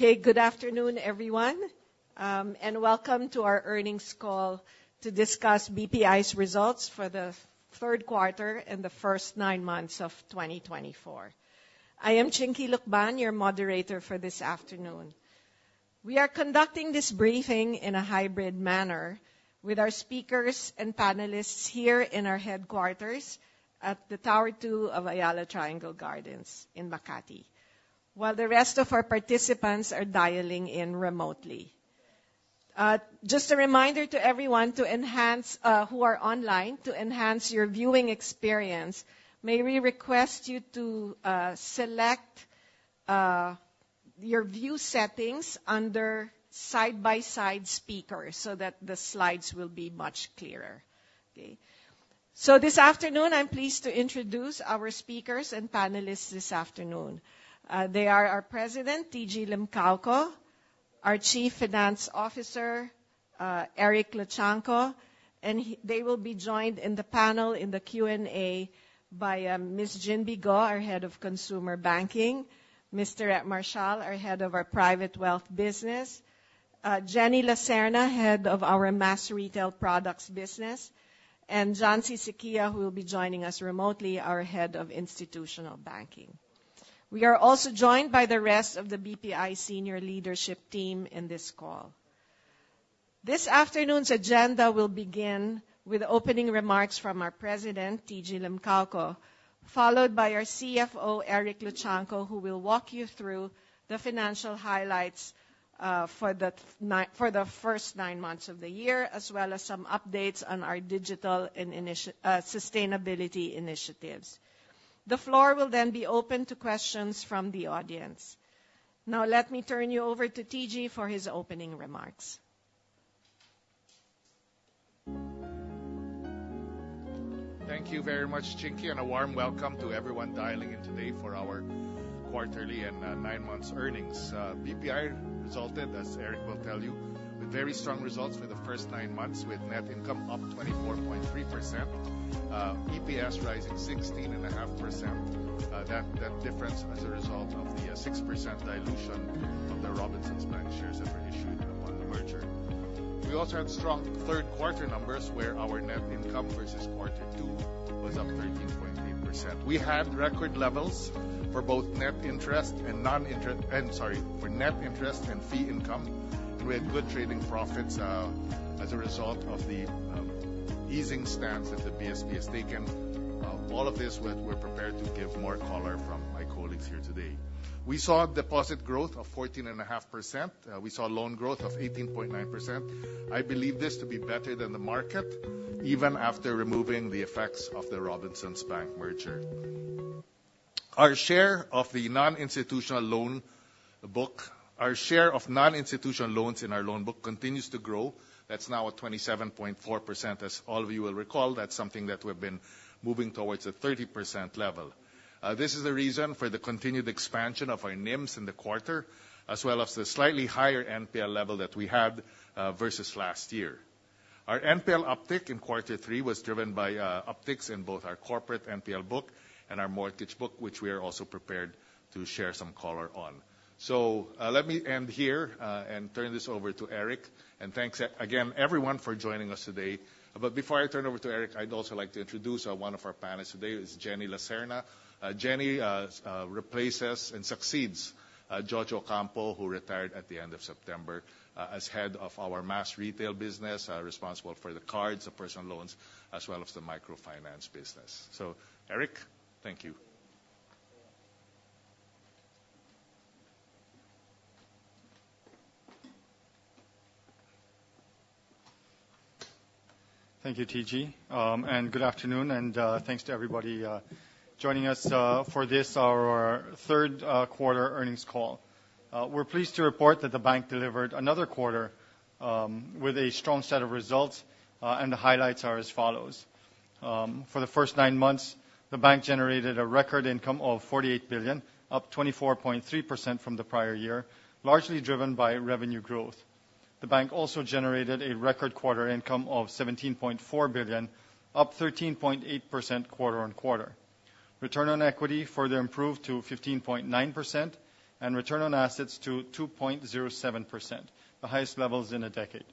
Okay. Good afternoon, everyone, and welcome to our earnings call to discuss BPI's results for the third quarter and the first nine months of 2024. I am Chinky Lucban, your moderator for this afternoon. We are conducting this briefing in a hybrid manner with our speakers and panelists here in our headquarters at Tower Two of Ayala Triangle Gardens in Makati, while the rest of our participants are dialing in remotely. Just a reminder to everyone who are online to enhance your viewing experience. May we request you to select your view settings under side-by-side speakers so that the slides will be much clearer. Okay. This afternoon, I'm pleased to introduce our speakers and panelists this afternoon. They are our President, TG Limcaoco, our Chief Finance Officer, Eric Luchangco, and they will be joined in the panel in the Q&A by Ms. Ginbee Go, our Head of Consumer Banking, Mr. Maria Theresa Marcial, our Head of BPI Wealth, Jenny Laserna, Head of our Mass Retail Products business, and John Syquia, who will be joining us remotely, our Head of Institutional Banking. We are also joined by the rest of the BPI senior leadership team in this call. This afternoon's agenda will begin with opening remarks from our President, TG Limcaoco, followed by our CFO, Eric Luchangco, who will walk you through the financial highlights for the first nine months of the year, as well as some updates on our digital and sustainability initiatives. The floor will then be open to questions from the audience. Now, let me turn you over to TG for his opening remarks. Thank you very much, Chinky, and a warm welcome to everyone dialing in today for our quarterly and nine months earnings. BPI resulted, as Eric will tell you, with very strong results for the first nine months, with net income up 24.3%, EPS rising 16.5%. That difference as a result of the 6% dilution of the Robinsons Bank shares that were issued upon the merger. We also had strong third quarter numbers, where our net income versus quarter two was up 13.8%. We had record levels for both net interest and fee income. We had good trading profits as a result of the easing stance that the BSP has taken. All of this, we're prepared to give more color from my colleagues here today. We saw deposit growth of 14.5%. We saw loan growth of 18.9%. I believe this to be better than the market, even after removing the effects of the Robinsons Bank merger. Our share of non-institutional loans in our loan book continues to grow. That's now at 27.4%. As all of you will recall, that's something that we've been moving towards a 30% level. This is the reason for the continued expansion of our NIMs in the quarter, as well as the slightly higher NPL level that we had versus last year. Our NPL uptick in quarter three was driven by upticks in both our corporate NPL book and our mortgage book, which we are also prepared to share some color on. Let me end here and turn this over to Eric. Thanks again, everyone, for joining us today. Before I turn over to Eric, I'd also like to introduce one of our panelists today, Jenny Laserna. Jenny replaces and succeeds Jojo Ocampo, who retired at the end of September as head of our Mass Retail Business, responsible for the cards, the personal loans, as well as the Microfinance Business. Eric, thank you. Thank you, TG. Good afternoon, and thanks to everybody joining us for this, our third quarter earnings call. We're pleased to report that the bank delivered another quarter with a strong set of results, and the highlights are as follows. For the first nine months, the bank generated a record income of PHP 48 billion, up 24.3% from the prior year, largely driven by revenue growth. The bank also generated a record quarterly income of 17.4 billion, up 13.8% quarter-on-quarter. Return on equity further improved to 15.9% and return on assets to 2.07%, the highest levels in a decade.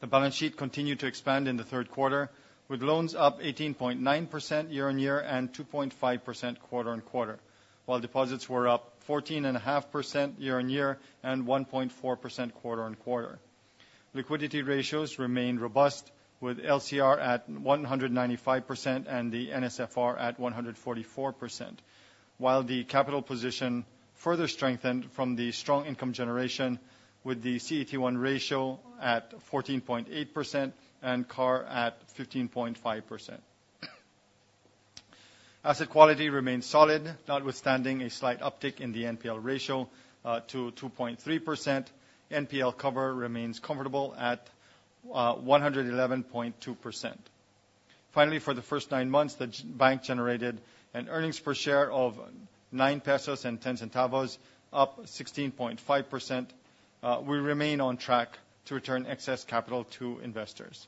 The balance sheet continued to expand in the third quarter, with loans up 18.9% year-on-year and 2.5% quarter-on-quarter, while deposits were up 14.5% year-on-year and 1.4% quarter-on-quarter. Liquidity ratios remained robust, with LCR at 195% and the NSFR at 144%, while the capital position further strengthened from the strong income generation with the CET1 ratio at 14.8% and CAR at 15.5%. Asset quality remained solid, notwithstanding a slight uptick in the NPL ratio to 2.3%. NPL cover remains comfortable at 111.2%. Finally, for the first nine months, the bank generated an earnings per share of 9.10 pesos, up 16.5%. We remain on track to return excess capital to investors.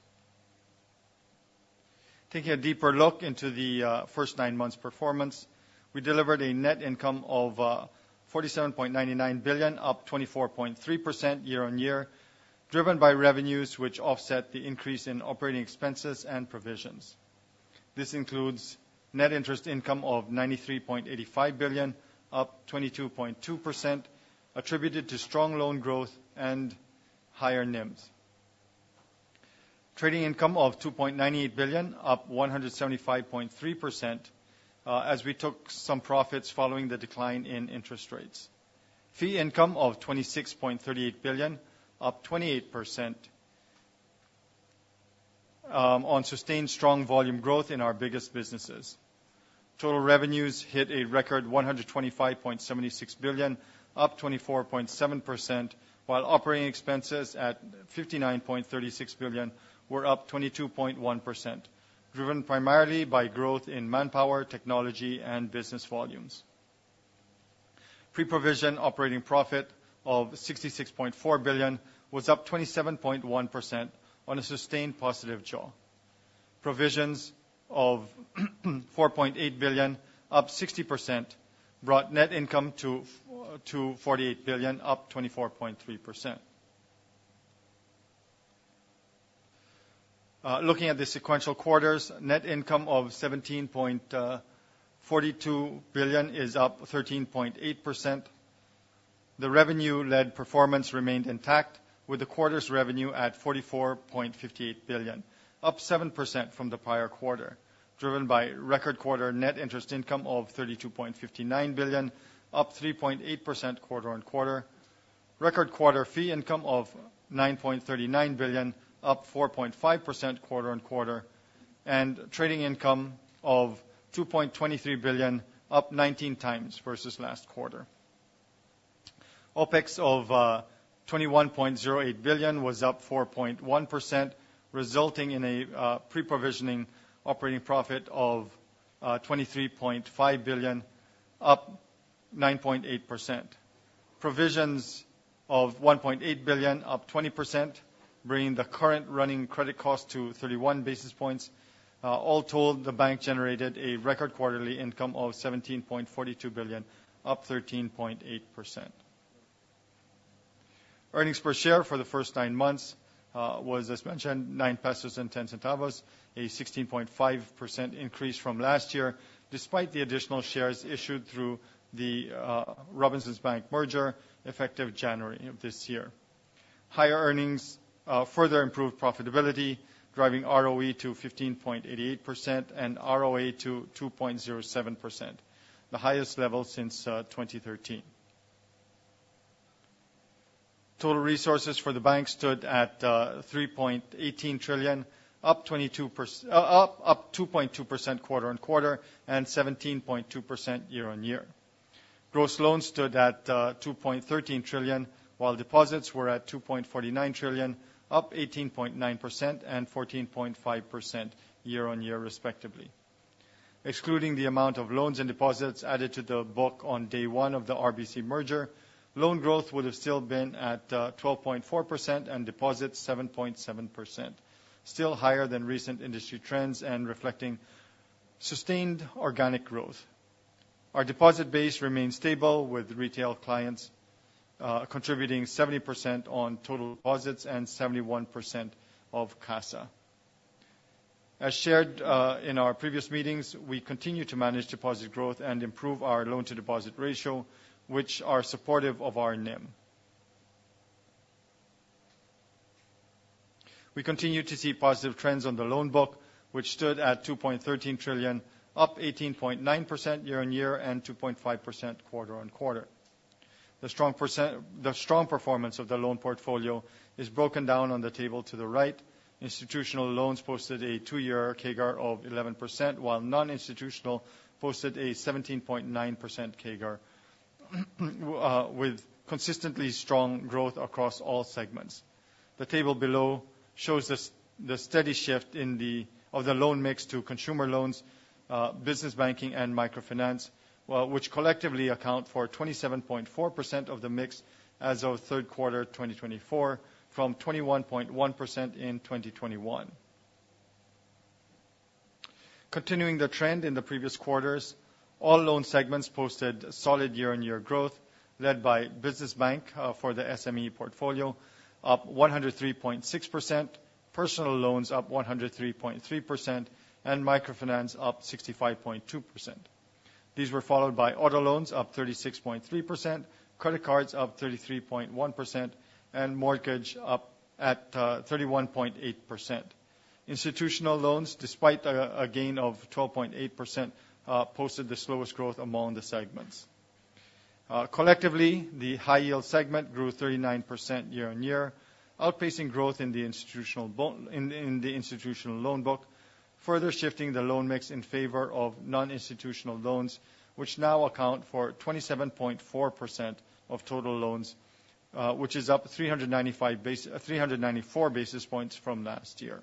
Taking a deeper look into the first nine months performance, we delivered a net income of 47.99 billion, up 24.3% year-on-year, driven by revenues which offset the increase in operating expenses and provisions. This includes net interest income of 93.85 billion, up 22.2% attributed to strong loan growth and higher NIMs. Trading income of 2.98 billion, up 175.3%, as we took some profits following the decline in interest rates. Fee income of 26.38 billion, up 28%, on sustained strong volume growth in our biggest businesses. Total revenues hit a record 125.76 billion, up 24.7%, while operating expenses at 59.36 billion were up 22.1%, driven primarily by growth in manpower, technology, and business volumes. Pre-provision operating profit of 66.4 billion was up 27.1% on a sustained positive jaw. Provisions of 4.8 billion, up 60% brought net income to 48 billion, up 24.3%. Looking at the sequential quarters, net income of 17.42 billion is up 13.8%. The revenue-led performance remained intact with the quarter's revenue at 44.58 billion, up 7% from the prior quarter, driven by record quarter net interest income of 32.59 billion, up 3.8% quarter-on-quarter. Record quarter fee income of 9.39 billion, up 4.5% quarter-on-quarter, and trading income of 2.23 billion, up 19 times versus last quarter. OPEX of 21.08 billion was up 4.1%, resulting in a pre-provisioning operating profit of 23.5 billion, up 9.8%. Provisions of 1.8 billion, up 20%, bringing the current running credit cost to 31 basis points. All told, the bank generated a record quarterly income of 17.42 billion, up 13.8%. Earnings per share for the first nine months was, as mentioned, 9.10 pesos, a 16.5% increase from last year, despite the additional shares issued through the Robinsons Bank merger effective January of this year. Higher earnings, further improved profitability, driving ROE to 15.88% and ROA to 2.07%, the highest level since 2013. Total resources for the bank stood at 3.18 trillion, up 2.2% quarter-on-quarter and 17.2% year-on-year. Gross loans stood at 2.13 trillion, while deposits were at 2.49 trillion, up 18.9% and 14.5% year-on-year, respectively. Excluding the amount of loans and deposits added to the book on day one of the RBC merger, loan growth would have still been at 12.4% and deposits 7.7%. Still higher than recent industry trends and reflecting sustained organic growth. Our deposit base remains stable, with retail clients contributing 70% of total deposits and 71% of CASA. As shared in our previous meetings, we continue to manage deposit growth and improve our loan-to-deposit ratio, which are supportive of our NIM. We continue to see positive trends on the loan book, which stood at PHP 2.13 trillion, up 18.9% year-on-year, and 2.5% quarter-on-quarter. The strong performance of the loan portfolio is broken down on the table to the right. Institutional loans posted a two-year CAGR of 11%, while non-institutional posted a 17.9% CAGR, with consistently strong growth across all segments. The table below shows the steady shift in the loan mix to consumer loans, business banking, and microfinance, which collectively account for 27.4% of the mix as of third quarter 2024 from 21.1% in 2021. Continuing the trend in the previous quarters, all loan segments posted solid year-on-year growth, led by business bank for the SME portfolio, up 103.6%, personal loans up 103.3%, and microfinance up 65.2%. These were followed by auto loans up 36.3%, credit cards up 33.1%, and mortgage up at 31.8%. Institutional loans, despite a gain of 12.8%, posted the slowest growth among the segments. Collectively, the high yield segment grew 39% year-on-year, outpacing growth in the institutional loan book, further shifting the loan mix in favor of non-institutional loans, which now account for 27.4% of total loans, which is up 394 basis points from last year.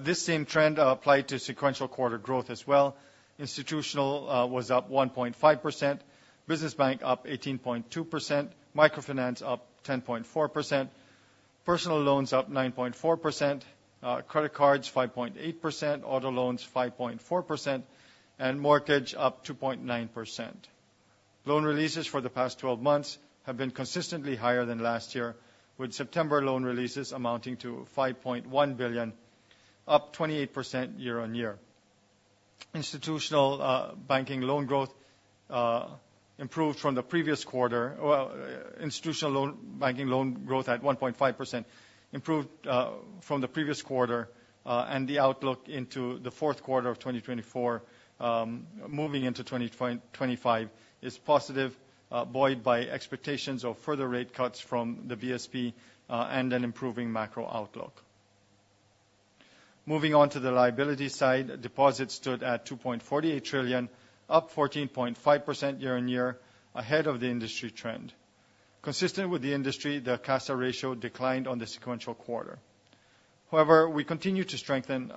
This same trend applied to sequential quarter growth as well. Institutional was up 1.5%. Business bank up 18.2%. Microfinance up 10.4%. Personal loans up 9.4%. Credit cards 5.8%. Auto loans 5.4%. Mortgage up 2.9%. Loan releases for the past 12 months have been consistently higher than last year, with September loan releases amounting to 5.1 billion, up 28% year-on-year. Institutional banking loan growth improved from the previous quarter. Well, institutional banking loan growth at 1.5% improved from the previous quarter. The outlook into the fourth quarter of 2024, moving into 2025 is positive, buoyed by expectations of further rate cuts from the BSP, and an improving macro outlook. Moving on to the liability side. Deposits stood at 2.48 trillion, up 14.5% year-on-year ahead of the industry trend. Consistent with the industry, the CASA ratio declined on the sequential quarter. However, we continue to strengthen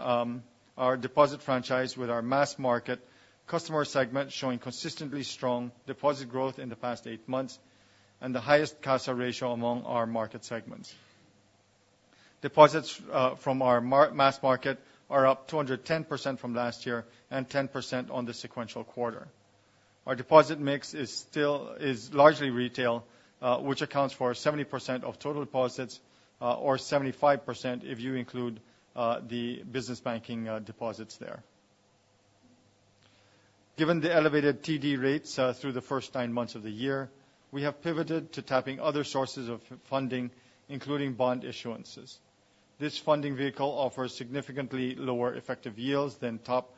our deposit franchise with our mass market customer segment showing consistently strong deposit growth in the past eight months and the highest CASA ratio among our market segments. Deposits from our mass market are up 210% from last year and 10% on the sequential quarter. Our deposit mix is still largely retail, which accounts for 70% of total deposits, or 75% if you include the business banking deposits there. Given the elevated TD rates through the first nine months of the year, we have pivoted to tapping other sources of funding, including bond issuances. This funding vehicle offers significantly lower effective yields than top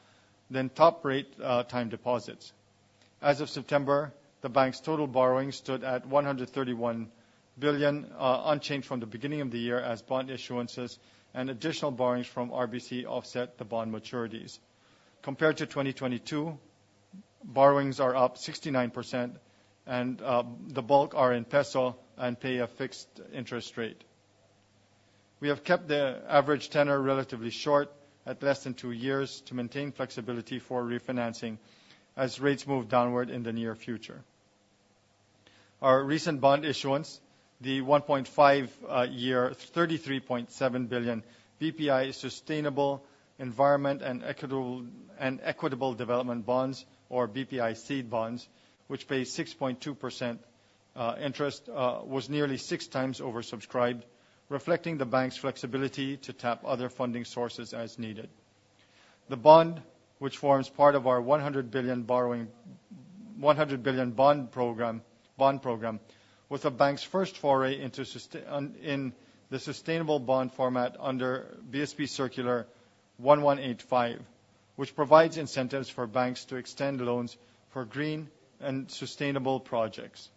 rate time deposits. As of September, the bank's total borrowings stood at PHP 131 billion, unchanged from the beginning of the year as bond issuances and additional borrowings from RBC offset the bond maturities. Compared to 2022, borrowings are up 69% and the bulk are in peso and pay a fixed interest rate. We have kept the average tenor relatively short at less than two years to maintain flexibility for refinancing as rates move downward in the near future. Our recent bond issuance, the 1.5-year, PHP 33.7 billion BPI Sustainable, Environmental, and Equitable Development Bonds or BPI SEED Bonds, which pay 6.2% interest, was nearly 6 times oversubscribed, reflecting the bank's flexibility to tap other funding sources as needed. The bond, which forms part of our 100 billion bond program, was the bank's first foray into sustainable bond format under BSP Circular 1185, which provides incentives for banks to extend loans for green and sustainable projects.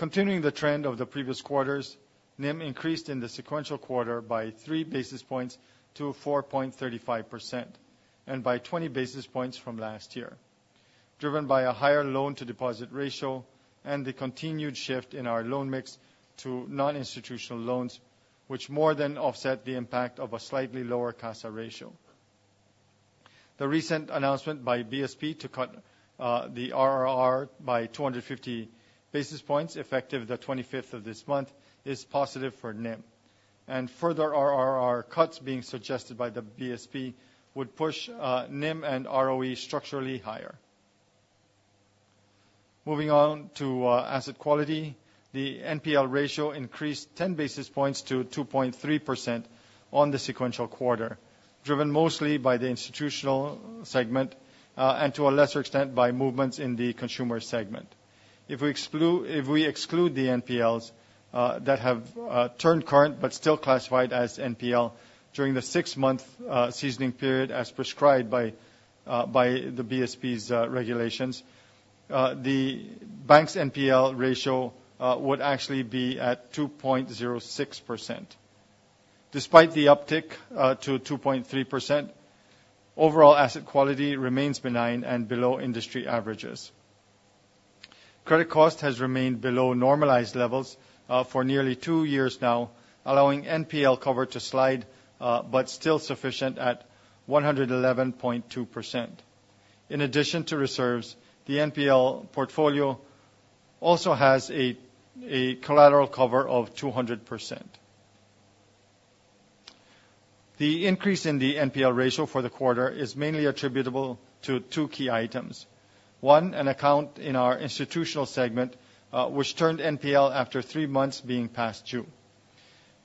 Continuing the trend of the previous quarters, NIM increased in the sequential quarter by 3 basis points to 4.35% and by 20 basis points from last year, driven by a higher loan to deposit ratio and the continued shift in our loan mix to non-institutional loans, which more than offset the impact of a slightly lower CASA ratio. The recent announcement by BSP to cut the RRR by 250 basis points effective the 25th of this month is positive for NIM. Further RRR cuts being suggested by the BSP would push NIM and ROE structurally higher. Moving on to asset quality. The NPL ratio increased 10 basis points to 2.3% on the sequential quarter, driven mostly by the institutional segment and to a lesser extent by movements in the consumer segment. If we exclude the NPLs that have turned current but still classified as NPL during the six-month seasoning period as prescribed by the BSP's regulations, the bank's NPL ratio would actually be at 2.06%. Despite the uptick to 2.3%, overall asset quality remains benign and below industry averages. Credit cost has remained below normalized levels for nearly two years now, allowing NPL cover to slide, but still sufficient at 111.2%. In addition to reserves, the NPL portfolio also has a collateral cover of 200%. The increase in the NPL ratio for the quarter is mainly attributable to two key items. One, an account in our institutional segment, which turned NPL after three months being past due.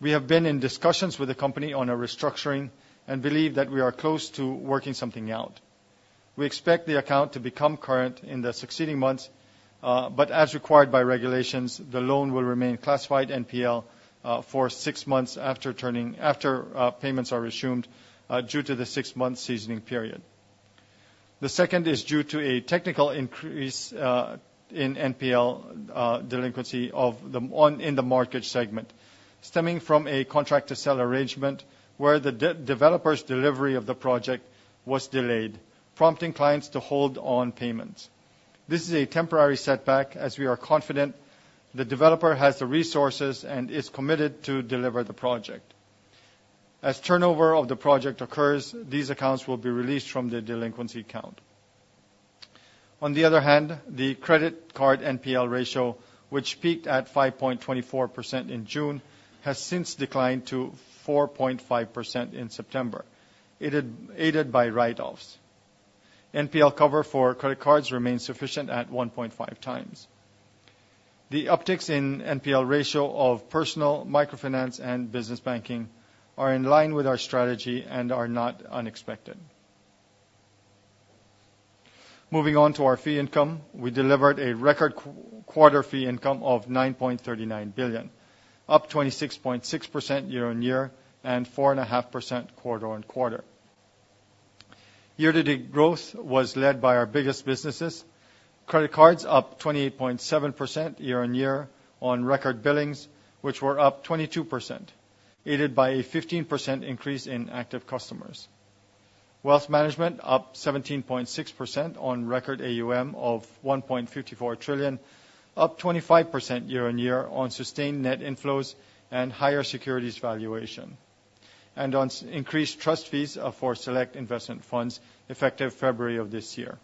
We have been in discussions with the company on a restructuring and believe that we are close to working something out. We expect the account to become current in the succeeding months, but as required by regulations, the loan will remain classified NPL for six months after payments are resumed due to the six-month seasoning period. The second is due to a technical increase in NPL delinquency in the market segment stemming from a contract to sell arrangement where the developer's delivery of the project was delayed, prompting clients to hold on payments. This is a temporary setback, as we are confident the developer has the resources and is committed to deliver the project. As turnover of the project occurs, these accounts will be released from the delinquency count. On the other hand, the credit card NPL ratio, which peaked at 5.24% in June, has since declined to 4.5% in September. It had aided by write-offs. NPL cover for credit cards remains sufficient at 1.5 times. The upticks in NPL ratio of personal microfinance and business banking are in line with our strategy and are not unexpected. Moving on to our fee income. We delivered a record quarter fee income of 9.39 billion, up 26.6% year-on-year and 4.5% quarter-on-quarter. Year-to-date growth was led by our biggest businesses. Credit cards up 28.7% year-on-year on record billings, which were up 22%, aided by a 15% increase in active customers. Wealth management up 17.6% on record AUM of 1.54 trillion, up 25% year-on-year on sustained net inflows and higher securities valuation, and on increased trust fees for select investment funds effective February of this year.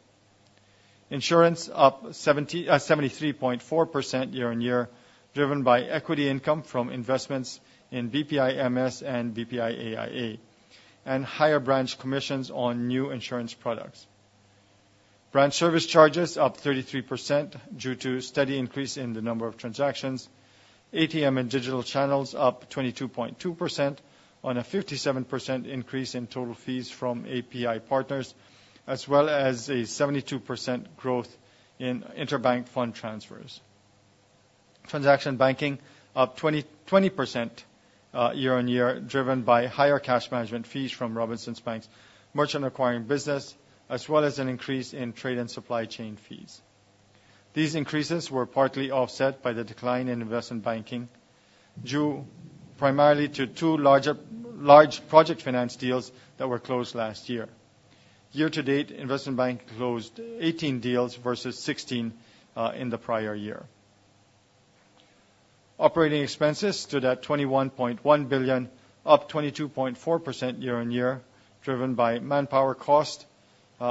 Insurance up 73.4% year-on-year, driven by equity income from investments in BPI&MS and BPI AIA, and higher branch commissions on new insurance products. Branch service charges up 33% due to steady increase in the number of transactions. ATM and digital channels up 22.2% on a 57% increase in total fees from API partners, as well as a 72% growth in interbank fund transfers. Transaction banking up 20% year-on-year, driven by higher cash management fees from Robinsons Bank merchant acquiring business, as well as an increase in trade and supply chain fees. These increases were partly offset by the decline in investment banking, due primarily to two large project finance deals that were closed last year. Year-to-date, investment bank closed 18 deals versus 16 in the prior year. Operating expenses stood at 21.1 billion, up 22.4% year-on-year, driven by manpower cost,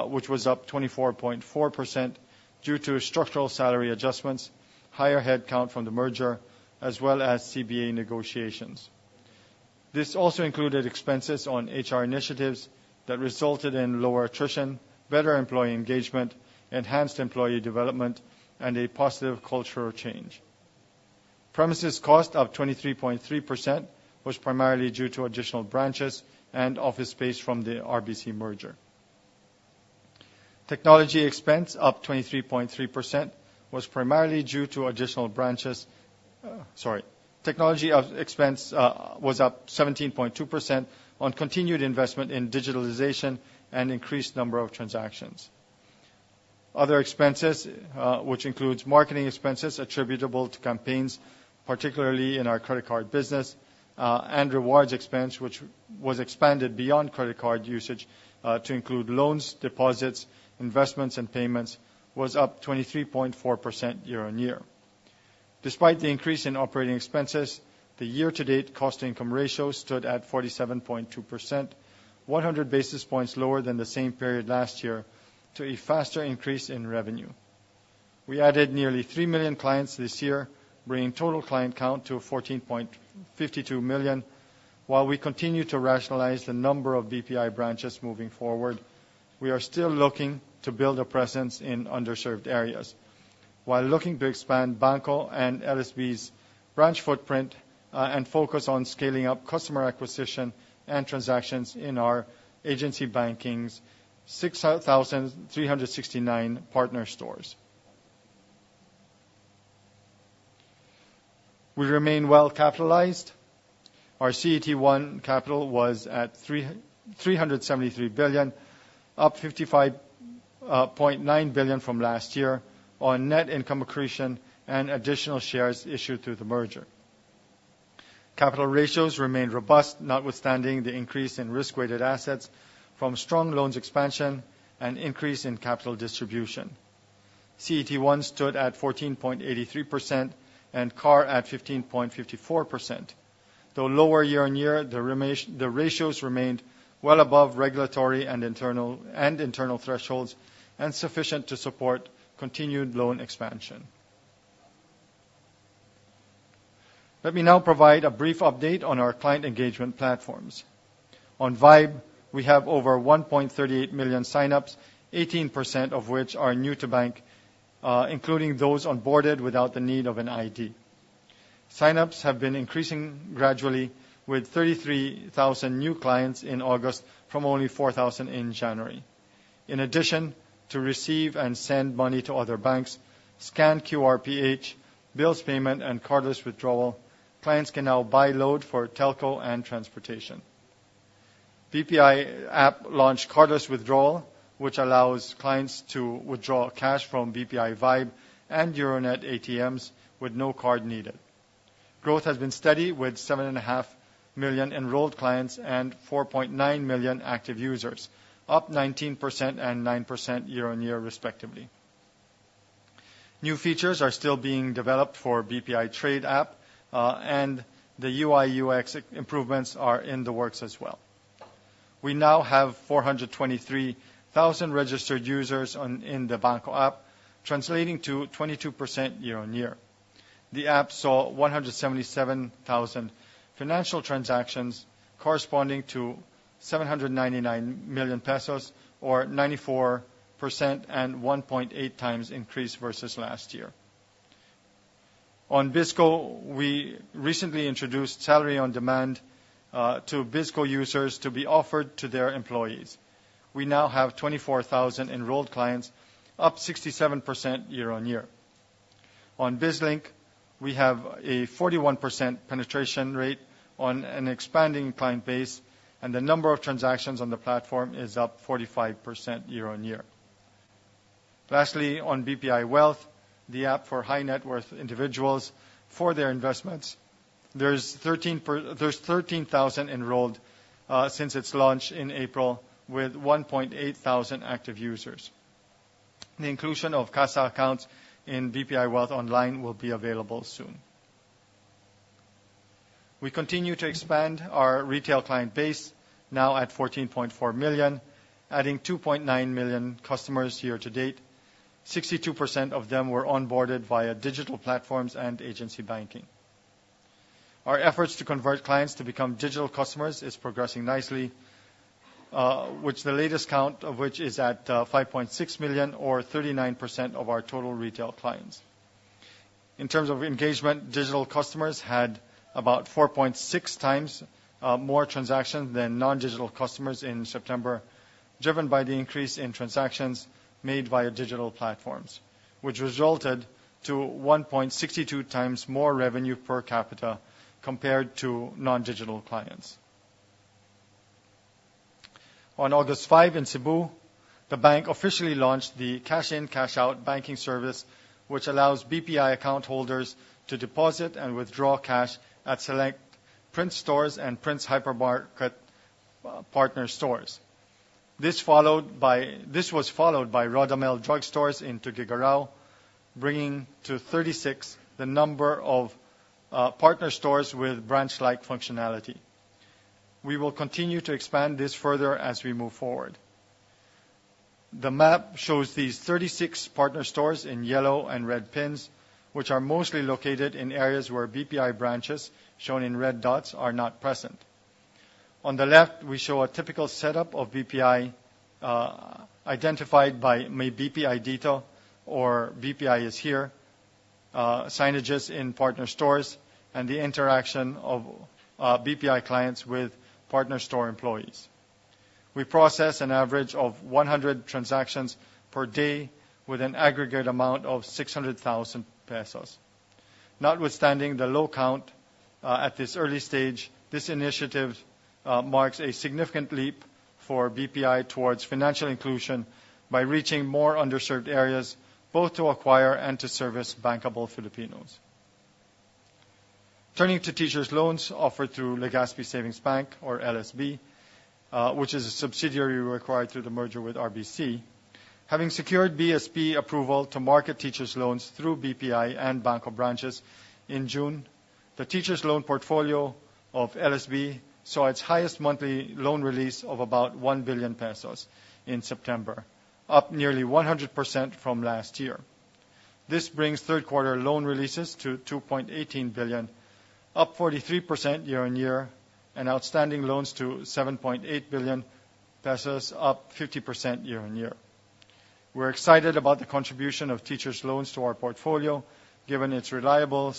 which was up 24.4% due to structural salary adjustments, higher headcount from the merger, as well as CBA negotiations. This also included expenses on HR initiatives that resulted in lower attrition, better employee engagement, enhanced employee development, and a positive cultural change. Premises cost up 23.3% was primarily due to additional branches and office space from the RBC merger. Technology expense was up 17.2% on continued investment in digitalization and increased number of transactions. Other expenses, which includes marketing expenses attributable to campaigns, particularly in our credit card business, and rewards expense, which was expanded beyond credit card usage, to include loans, deposits, investments, and payments, was up 23.4% year-over-year. Despite the increase in operating expenses, the year-to-date cost income ratio stood at 47.2%, 100 basis points lower than the same period last year, due to a faster increase in revenue. We added nearly three million clients this year, bringing total client count to 14.52 million. While we continue to rationalize the number of BPI branches moving forward, we are still looking to build a presence in underserved areas. While looking to expand BanKo and LSB's branch footprint, and focus on scaling up customer acquisition and transactions in our agency banking's 6,369 partner stores. We remain well-capitalized. Our CET1 capital was at 373 billion, up 55.9 billion from last year on net income accretion and additional shares issued through the merger. Capital ratios remain robust, notwithstanding the increase in risk-weighted assets from strong loans expansion and increase in capital distribution. CET1 stood at 14.83% and CAR at 15.54%. Though lower year-over-year, the ratios remained well above regulatory and internal thresholds and sufficient to support continued loan expansion. Let me now provide a brief update on our client engagement platforms. On VYBE, we have over 1.38 million sign-ups, 18% of which are new to bank, including those onboarded without the need of an ID. Sign-ups have been increasing gradually, with 33,000 new clients in August from only 4,000 in January. In addition to receive and send money to other banks, scan QRPH, bills payment, and cardless withdrawal, clients can now buy load for telco and transportation. BPI app launched cardless withdrawal, which allows clients to withdraw cash from BPI VYBE and Euronet ATMs with no card needed. Growth has been steady with 7.5 million enrolled clients and 4.9 million active users, up 19% and 9% year-on-year respectively. New features are still being developed for BPI Trade app, and the UI/UX improvements are in the works as well. We now have 423,000 registered users in the BanKo app, translating to 22% year-on-year. The app saw 177,000 financial transactions corresponding to 799 million pesos or 94% and 1.8 times increase versus last year. On BizKo, we recently introduced salary on demand to BizKo users to be offered to their employees. We now have 24,000 enrolled clients, up 67% year-on-year. On BizLink, we have a 41% penetration rate on an expanding client base, and the number of transactions on the platform is up 45% year-on-year. Lastly, on BPI Wealth, the app for high-net-worth individuals for their investments, there's 13,000 enrolled since its launch in April with 1,800 active users. The inclusion of CASA accounts in BPI Wealth online will be available soon. We continue to expand our retail client base now at 14.4 million, adding 2.9 million customers year to date. 62% of them were onboarded via digital platforms and agency banking. Our efforts to convert clients to become digital customers is progressing nicely, the latest count of which is at 5.6 million or 39% of our total retail clients. In terms of engagement, digital customers had about 4.6 times more transactions than non-digital customers in September, driven by the increase in transactions made via digital platforms, which resulted to 1.62 times more revenue per capita compared to non-digital clients. On August 5 in Cebu, the bank officially launched the cash-in, cash-out banking service, which allows BPI account holders to deposit and withdraw cash at select Prince Hypermart stores and Prince Hypermart partner stores. This was followed by Rodamel drugstores in Tuguegarao, bringing to 36 the number of partner stores with branch-like functionality. We will continue to expand this further as we move forward. The map shows these 36 partner stores in yellow and red pins, which are mostly located in areas where BPI branches, shown in red dots, are not present. On the left, we show a typical setup of BPI, identified by May BPI Dito or BPI is here, signages in partner stores and the interaction of BPI clients with partner store employees. We process an average of 100 transactions per day with an aggregate amount of 600,000 pesos. Notwithstanding the low count, at this early stage, this initiative marks a significant leap for BPI towards financial inclusion by reaching more underserved areas, both to acquire and to service bankable Filipinos. Turning to teachers loans offered through Legazpi Savings Bank or LSB, which is a subsidiary acquired through the merger with RBC. Having secured BSP approval to market teachers loans through BPI and BanKo branches in June, the teachers loan portfolio of LSB saw its highest monthly loan release of about 1 billion pesos in September, up nearly 100% from last year. This brings third quarter loan releases to 2.18 billion, up 43% year-on-year, and outstanding loans to 7.8 billion pesos, up 50% year-on-year. We're excited about the contribution of teachers loans to our portfolio, given its reliable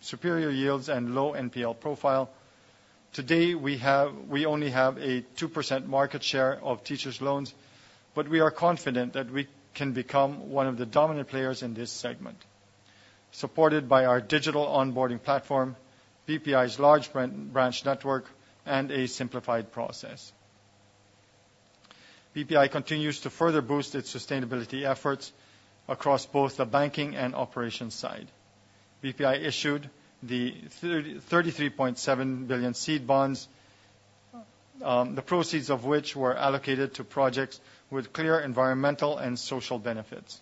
superior yields and low NPL profile. Today, we only have a 2% market share of teachers loans, but we are confident that we can become one of the dominant players in this segment, supported by our digital onboarding platform, BPI's large branch network, and a simplified process. BPI continues to further boost its sustainability efforts across both the banking and operations side. BPI issued the 33.7 billion SEED Bonds, the proceeds of which were allocated to projects with clear environmental and social benefits.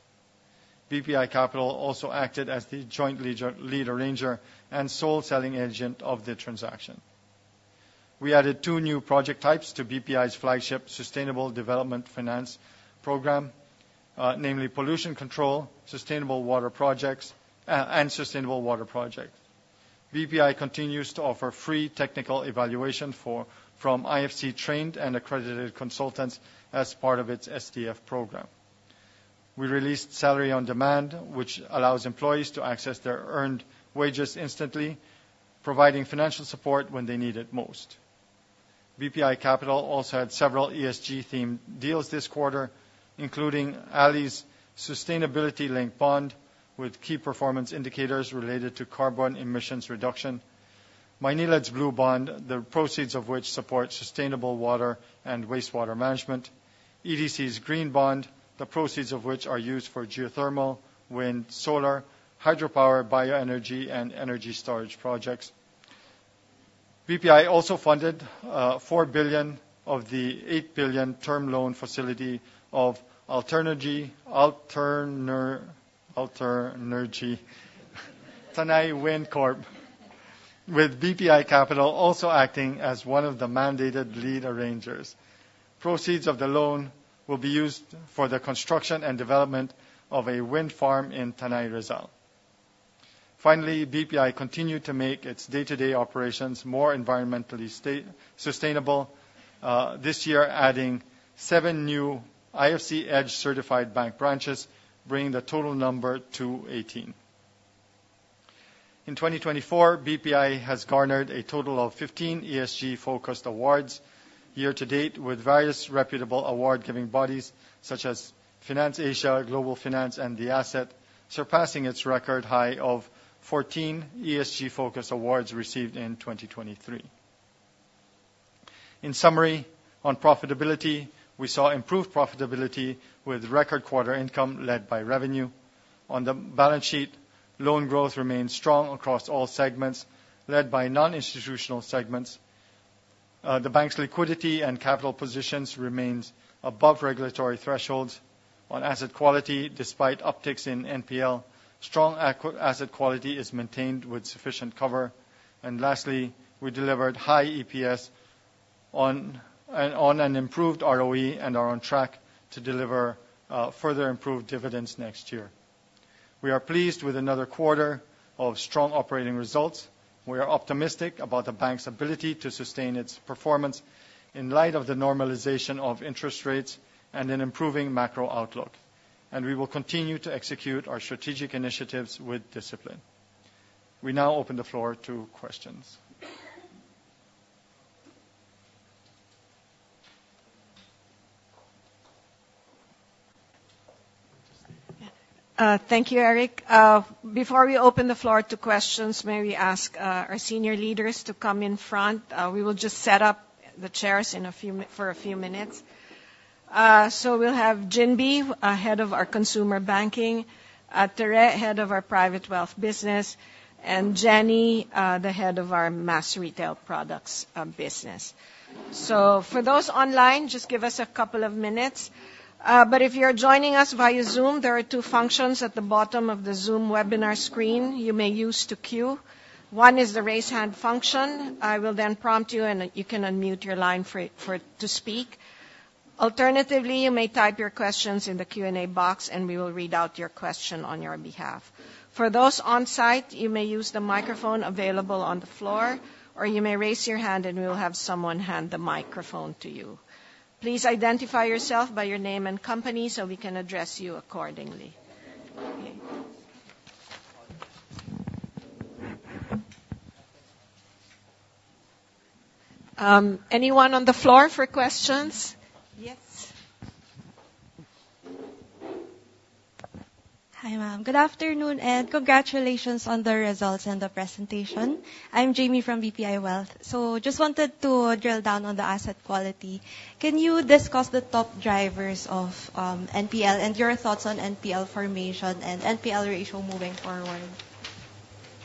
BPI Capital also acted as the joint lead arranger and sole selling agent of the transaction. We added two new project types to BPI's flagship sustainable development finance program, namely pollution control, sustainable water projects, and sustainable water project. BPI continues to offer free technical evaluation from IFC-trained and accredited consultants as part of its SDF program. We released Salary On-Demand, which allows employees to access their earned wages instantly, providing financial support when they need it most. BPI Capital also had several ESG-themed deals this quarter, including ALI's sustainability-linked bond with key performance indicators related to carbon emissions reduction. Maynilad's Blue Bond, the proceeds of which support sustainable water and wastewater management. EDC's Green Bond, the proceeds of which are used for geothermal, wind, solar, hydropower, bioenergy, and energy storage projects. BPI also funded 4 billion of the 8 billion term loan facility of Alternergy Tanay Wind Corp, with BPI Capital also acting as one of the mandated lead arrangers. Proceeds of the loan will be used for the construction and development of a wind farm in Tanay, Rizal. Finally, BPI continued to make its day-to-day operations more environmentally sustainable this year, adding seven new IFC EDGE certified bank branches, bringing the total number to 18. In 2024, BPI has garnered a total of 15 ESG-focused awards year to date, with various reputable award-giving bodies such as FinanceAsia, Global Finance, and The Asset, surpassing its record high of 14 ESG-focused awards received in 2023. In summary, on profitability, we saw improved profitability with record quarter income led by revenue. On the balance sheet, loan growth remains strong across all segments, led by non-institutional segments. The bank's liquidity and capital positions remains above regulatory thresholds. On asset quality, despite upticks in NPL, strong asset quality is maintained with sufficient cover. Lastly, we delivered high EPS on an improved ROE and are on track to deliver further improved dividends next year. We are pleased with another quarter of strong operating results. We are optimistic about the bank's ability to sustain its performance in light of the normalization of interest rates and an improving macro outlook. We will continue to execute our strategic initiatives with discipline. We now open the floor to questions. Thank you, Eric Luchangco. Before we open the floor to questions, may we ask our senior leaders to come in front? We will just set up the chairs for a few minutes. We'll have Ginbee Go, Head of Consumer Banking, Theresa, Head of our private wealth business, and Jenny Laserna, Head of our Mass Retail Products business. For those online, just give us a couple of minutes. If you're joining us via Zoom, there are two functions at the bottom of the Zoom webinar screen you may use to queue. One is the raise hand function. I will then prompt you, and you can unmute your line to speak. Alternatively, you may type your questions in the Q&A box, and we will read out your question on your behalf. For those on-site, you may use the microphone available on the floor, or you may raise your hand, and we will have someone hand the microphone to you. Please identify yourself by your name and company so we can address you accordingly. Okay. Anyone on the floor for questions? Yes. Hi, ma'am. Good afternoon, and congratulations on the results and the presentation. I'm Jamie from BPI Wealth. Just wanted to drill down on the asset quality. Can you discuss the top drivers of NPL and your thoughts on NPL formation and NPL ratio moving forward?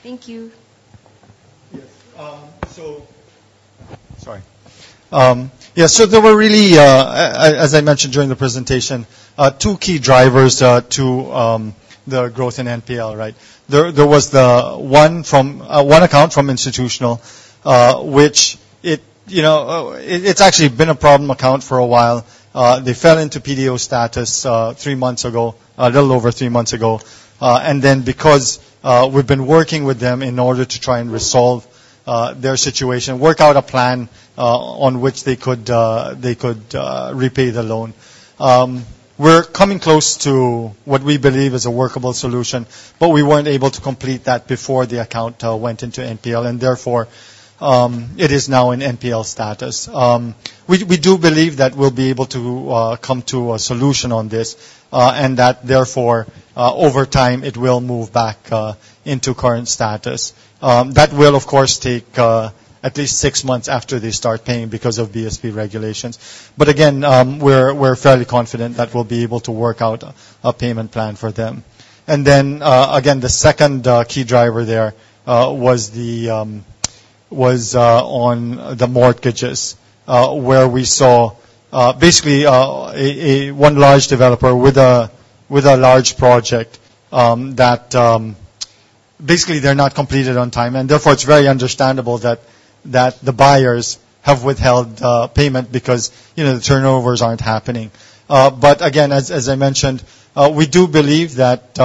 Thank you. Yes. So there were really, as I mentioned during the presentation, two key drivers to the growth in NPL, right? There was the one from one account from institutional, which, you know, it's actually been a problem account for a while. They fell into PDO status three months ago, a little over three months ago. Because we've been working with them in order to try and resolve their situation, work out a plan on which they could repay the loan. We're coming close to what we believe is a workable solution, but we weren't able to complete that before the account went into NPL, and therefore it is now in NPL status. We do believe that we'll be able to come to a solution on this, and that, therefore, over time, it will move back into current status. That will, of course, take at least six months after they start paying because of BSP regulations. But again, we're fairly confident that we'll be able to work out a payment plan for them. Again, the second key driver there was on the mortgages, where we saw basically a one large developer with a large project that basically they're not completed on time. Therefore, it's very understandable that the buyers have withheld payment because, you know, the turnovers aren't happening. But again, as I mentioned, we do believe that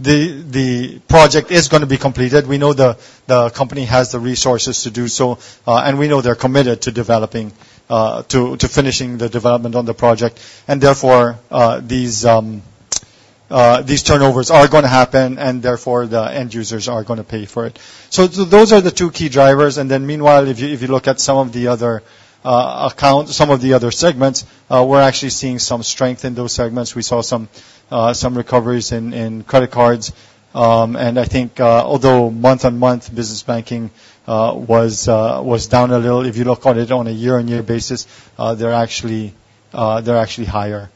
the project is gonna be completed. We know the company has the resources to do so, and we know they're committed to finishing the development on the project. Therefore, these turnovers are gonna happen, and therefore, the end users are gonna pay for it. Those are the two key drivers. Meanwhile, if you look at some of the other accounts, some of the other segments, we're actually seeing some strength in those segments. We saw some recoveries in credit cards. And I think, although month-on-month business banking was down a little, if you look on it on a year-on-year basis, they're actually They're actually higher.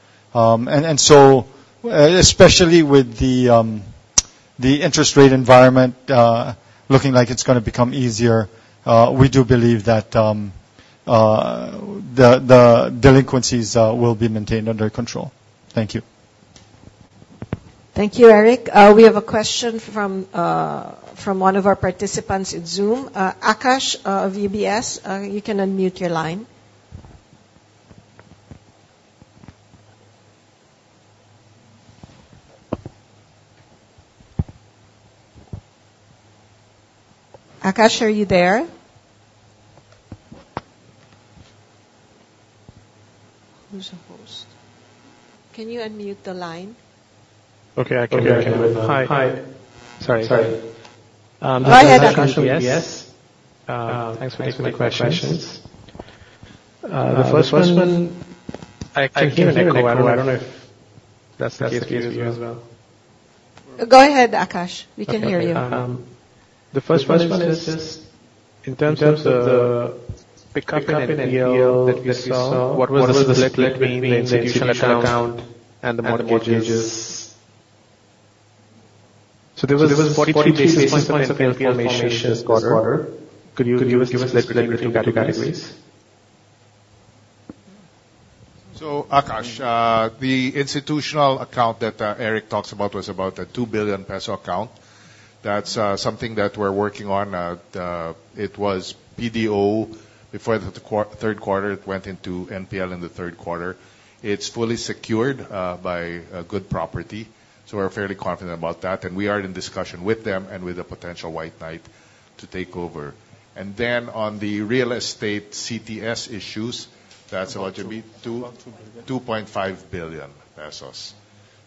Especially with the interest rate environment looking like it's gonna become easier, we do believe that the delinquencies will be maintained under control. Thank you. Thank you, Eric. We have a question from one of our participants in Zoom. Akash of UBS, you can unmute your line. Akash, are you there? Who's the host? Can you unmute the line? Okay, I can. Hi. Sorry. Go ahead, Akash. This is Akash from UBS. Thanks for taking my questions. The first one I can't hear you well. I don't know if that's the case for you as well. Go ahead, Akash. We can hear you. Okay. The first one is just in terms of the pickup in NPL that we saw, what was the split between the institutional account and the mortgages? There was 43 basis points of NPL formation this quarter. Could you give us the split between the two categories? Akash, the institutional account that Eric talks about was about a 2 billion peso account. That's something that we're working on. It was PDO before the third quarter. It went into NPL in the third quarter. It's fully secured by a good property, so we're fairly confident about that, and we are in discussion with them and with a potential white knight to take over. On the real estate CTS issues, that's allegedly two- About PHP 2 billion. 2.5 billion pesos.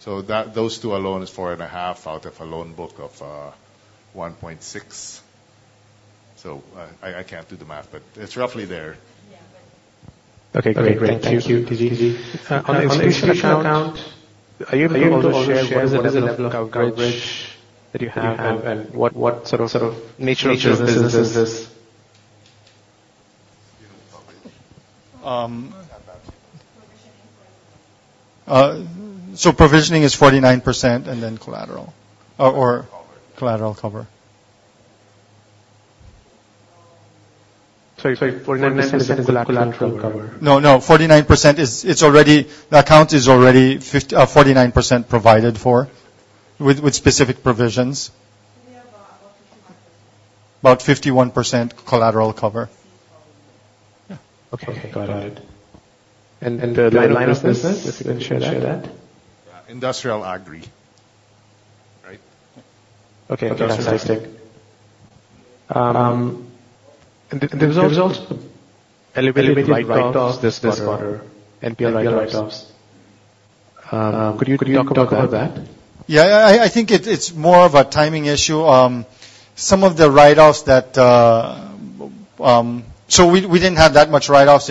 Those two alone is 4.5 out of a loan book of 1.6. I can't do the math, but it's roughly there. Okay. Great. Thank you, TG. On the institutional account, are you able to share what is the level of coverage that you have and what sort of nature of business is this? Provisioning. Provisioning. Provisioning is 49% and then collateral. Cover. Collateral cover. Sorry, 49% is the collateral cover? No, no. 49% is already. The account is already 49% provided for with specific provisions. We have about 51%. About 51% collateral cover. Yeah. Okay. Got it. The line of business, if you can share that. Yeah. Industrial agri. Right? Okay. That's interesting. There's also elevated write-offs this quarter, NPL write-offs. Could you talk about that? Yeah. I think it's more of a timing issue. Some of the write-offs that we didn't have that much write-offs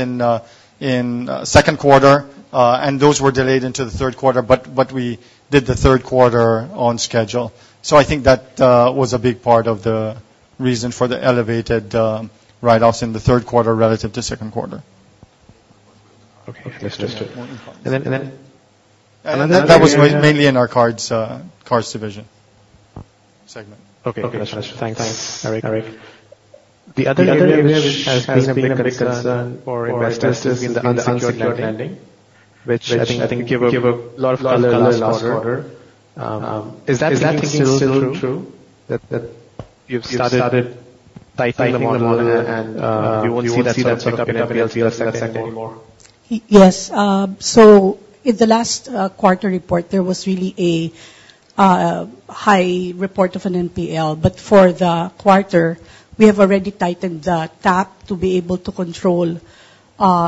in second quarter, and those were delayed into the third quarter, but we did the third quarter on schedule. I think that was a big part of the reason for the elevated write-offs in the third quarter relative to second quarter. Okay. Understood. That was mainly in our cards division segment. Okay. Gotcha. Thanks, Eric. The other area which has been a big concern for investors has been the unsecured lending, which I think gave a lot of color last quarter. Is that thinking still true that you've started tightening the model and you won't see that sort of pickup in NPLs anymore? Yes. In the last quarter report, there was really a high report of an NPL. For the quarter, we have already tightened the tap to be able to control.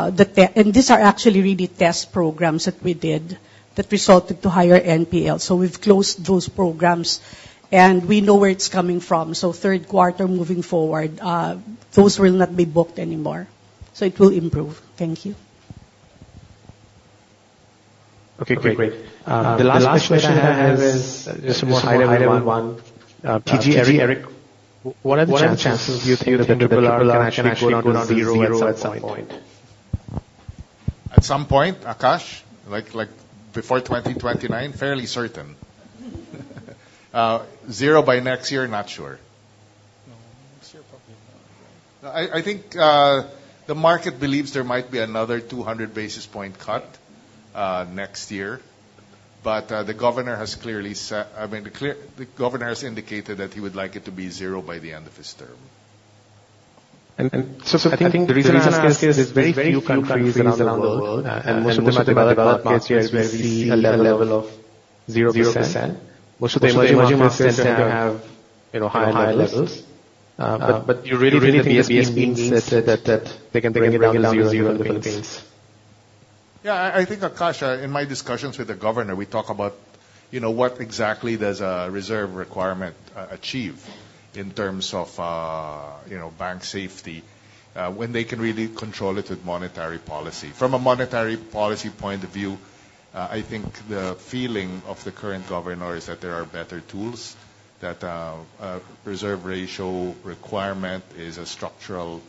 These are actually really test programs that we did that resulted to higher NPL. We've closed those programs, and we know where it's coming from. Third quarter moving forward, those will not be booked anymore. It will improve. Thank you. Okay. Great. The last question I have is just more high level one. TG, Eric, what are the chances you think that NPLR can actually go down to zero at some point? At some point, Akash, like before 2029, fairly certain. Zero by next year, not sure. No, next year, probably not. I think the market believes there might be another 200 basis point cut next year. The governor has indicated that he would like it to be zero by the end of his term. I think the reason I ask is there's very few countries around the world, and most of them are developed markets where we see a level of 0%. Most of the emerging markets tend to have, you know, higher levels. You really think BSP means that they can bring it down to 0% on the base? Yeah. I think, Akash, in my discussions with the governor, we talk about, you know, what exactly does a reserve requirement achieve in terms of, you know, bank safety, when they can really control it with monetary policy. From a monetary policy point of view. I think the feeling of the current governor is that there are better tools that reserve requirement ratio is a structural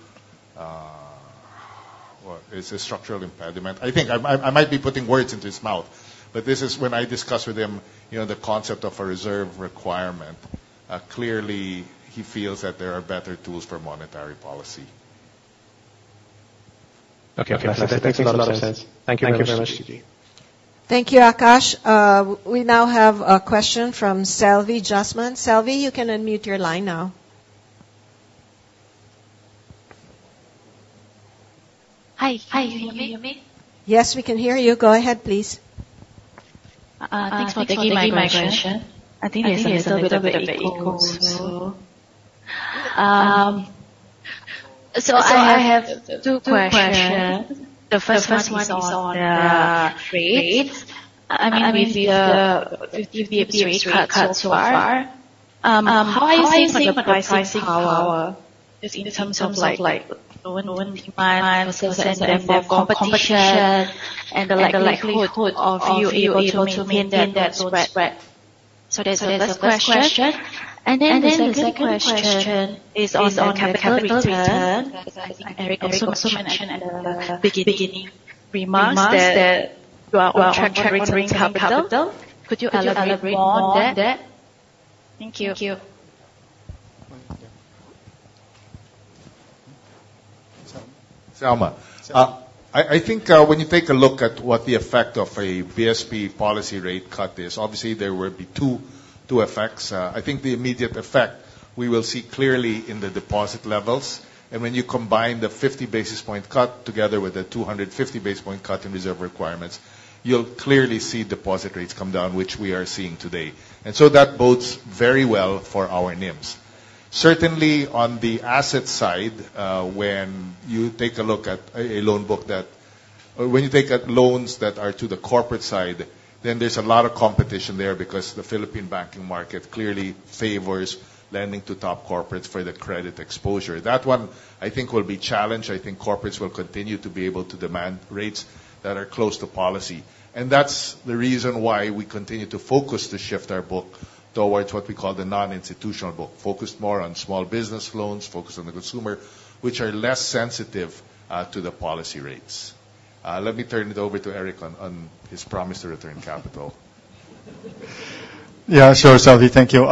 impediment. I think. I might be putting words into his mouth, but this is when I discussed with him, you know, the concept of a reserve requirement. Clearly he feels that there are better tools for monetary policy. Okay. That makes a lot of sense. Yes. Thank you very much. Thank you. Thank you, Akash. We now have a question from Selvi Ocktaviani. Selvi, you can unmute your line now. Hi. Can you hear me? Yes, we can hear you. Go ahead, please. Thanks for taking my question. I think there's a little bit of echo. I have two questions. The first one is on the rates. I mean, with the rate cut so far, how are you seeing the pricing power just in terms of like lower demand versus the competition and the likelihood of you able to maintain that spread? That's the first question. The second question is on the capital return. Because I think Eric also mentioned in the opening remarks that you are on track to return capital. Could you elaborate more on that? Thank you. Selvi. I think when you take a look at what the effect of a BSP policy rate cut is, obviously there will be two effects. I think the immediate effect we will see clearly in the deposit levels. When you combine the 50 basis point cut together with the 250 basis point cut in reserve requirements, you'll clearly see deposit rates come down, which we are seeing today. That bodes very well for our NIMs. Certainly on the asset side, when you take a look at a loan book or when you take up loans that are to the corporate side, then there's a lot of competition there because the Philippine banking market clearly favors lending to top corporates for the credit exposure. That one, I think, will be challenged. I think corporates will continue to be able to demand rates that are close to policy. That's the reason why we continue to focus to shift our book towards what we call the non-institutional book. Focus more on small business loans, focus on the consumer, which are less sensitive to the policy rates. Let me turn it over to Eric on his promise to return capital. Yeah. Sure, Selvi. Thank you.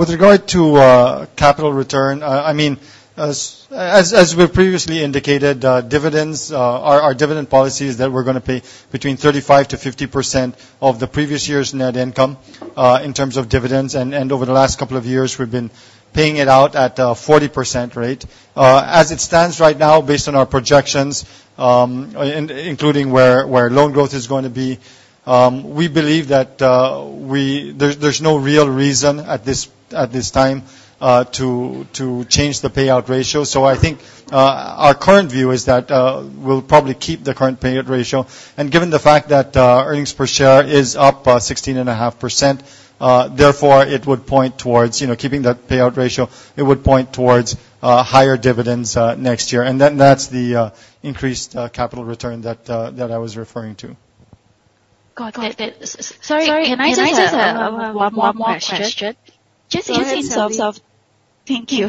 With regard to capital return, I mean, as we previously indicated, dividends, our dividend policy is that we're gonna pay between 35%-50% of the previous year's net income in terms of dividends. Over the last couple of years, we've been paying it out at a 40% rate. As it stands right now based on our projections, including where loan growth is going to be, we believe that there's no real reason at this time to change the payout ratio. I think our current view is that we'll probably keep the current payout ratio. Given the fact that earnings per share is up 16.5%, therefore it would point towards, you know, keeping that payout ratio. It would point towards higher dividends next year. That's the increased capital return that I was referring to. Got it. Sorry, can I just ask one more question? Go ahead, Selvi. Thank you.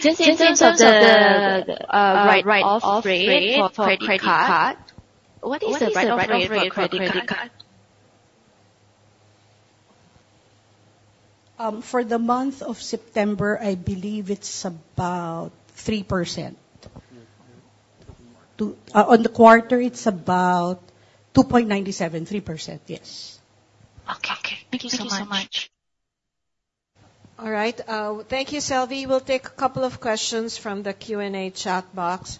Just in terms of the write-off rate for credit card, what is the write-off rate for credit card? For the month of September, I believe it's about 3%. Yeah. To the quarter. On the quarter, it's about 2.97%-3%. Yes. Okay. Thank you so much. All right. Thank you, Selvi. We'll take a couple of questions from the Q&A chat box.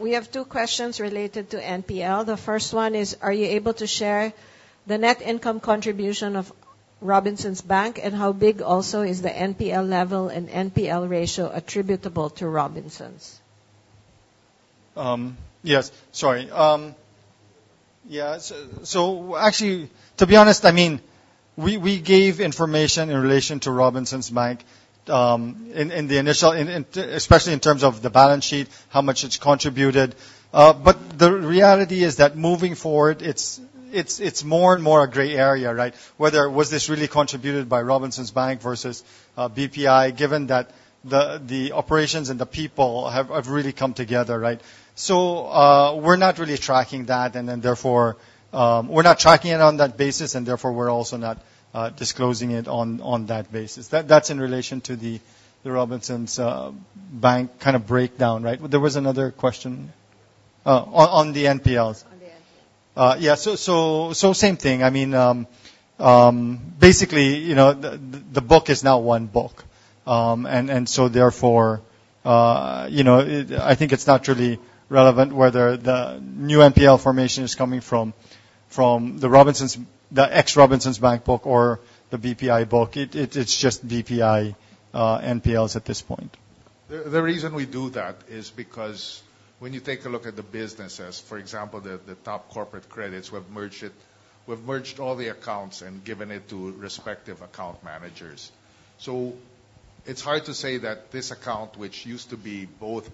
We have two questions related to NPL. The first one is: Are you able to share the net income contribution of Robinsons Bank? And how big also is the NPL level and NPL ratio attributable to Robinsons? Yes. Sorry. Yeah. So actually, to be honest, I mean, we gave information in relation to Robinsons Bank, in the initial. Especially in terms of the balance sheet, how much it's contributed. But the reality is that moving forward, it's more and more a gray area, right? Whether this was really contributed by Robinsons Bank versus BPI, given that the operations and the people have really come together, right? So, we're not really tracking that, and then therefore. We're not tracking it on that basis, and therefore we're also not disclosing it on that basis. That's in relation to the Robinsons Bank kind of breakdown, right? There was another question. On the NPLs. On the NPLs. Yeah. Same thing. I mean, basically, you know, the book is now one book. Therefore, you know, I think it's not really relevant whether the new NPL formation is coming from the Robinsons, the ex-Robinsons Bank book or the BPI book. It's just BPI NPLs at this point. The reason we do that is because when you take a look at the businesses, for example, the top corporate credits, we have merged it. We've merged all the accounts and given it to respective account managers. It's hard to say that this account, which used to be both.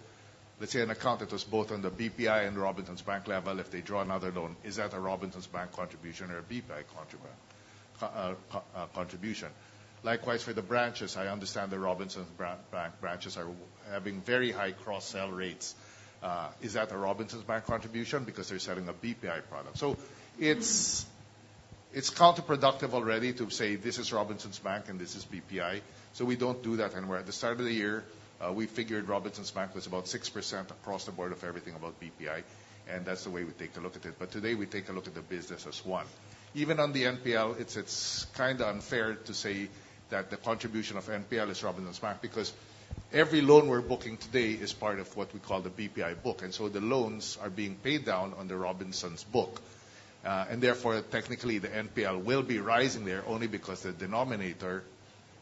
Let's say an account that was both on the BPI and Robinsons Bank level, if they draw another loan, is that a Robinsons Bank contribution or a BPI contribution. Likewise, for the branches, I understand the Robinsons Bank branches are having very high cross-sell rates. Is that a Robinsons Bank contribution because they're selling a BPI product? So it's counterproductive already to say this is Robinsons Bank and this is BPI. We don't do that anymore. At the start of the year, we figured Robinsons Bank was about 6% across the board of everything about BPI, and that's the way we take a look at it. Today, we take a look at the business as one. Even on the NPL, it's kinda unfair to say that the contribution of NPL is Robinsons Bank, because every loan we're booking today is part of what we call the BPI book, and so the loans are being paid down on the Robinsons book. And therefore, technically, the NPL will be rising there only because the denominator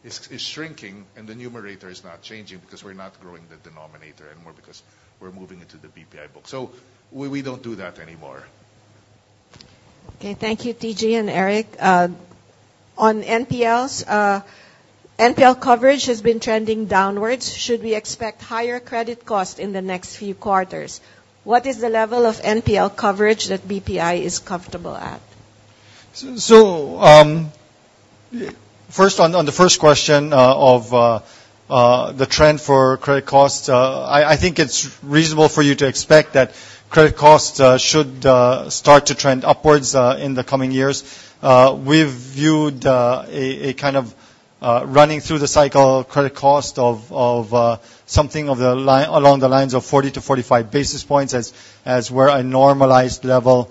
is shrinking and the numerator is not changing because we're not growing the denominator anymore because we're moving into the BPI book. We don't do that anymore. Okay. Thank you, TG and Eric. On NPLs, NPL coverage has been trending downwards. Should we expect higher credit costs in the next few quarters? What is the level of NPL coverage that BPI is comfortable at? First, on the first question of the trend for credit costs, I think it's reasonable for you to expect that credit costs should start to trend upwards in the coming years. We've viewed a kind of running through the cycle credit cost of something along the lines of 40-45 basis points as where a normalized level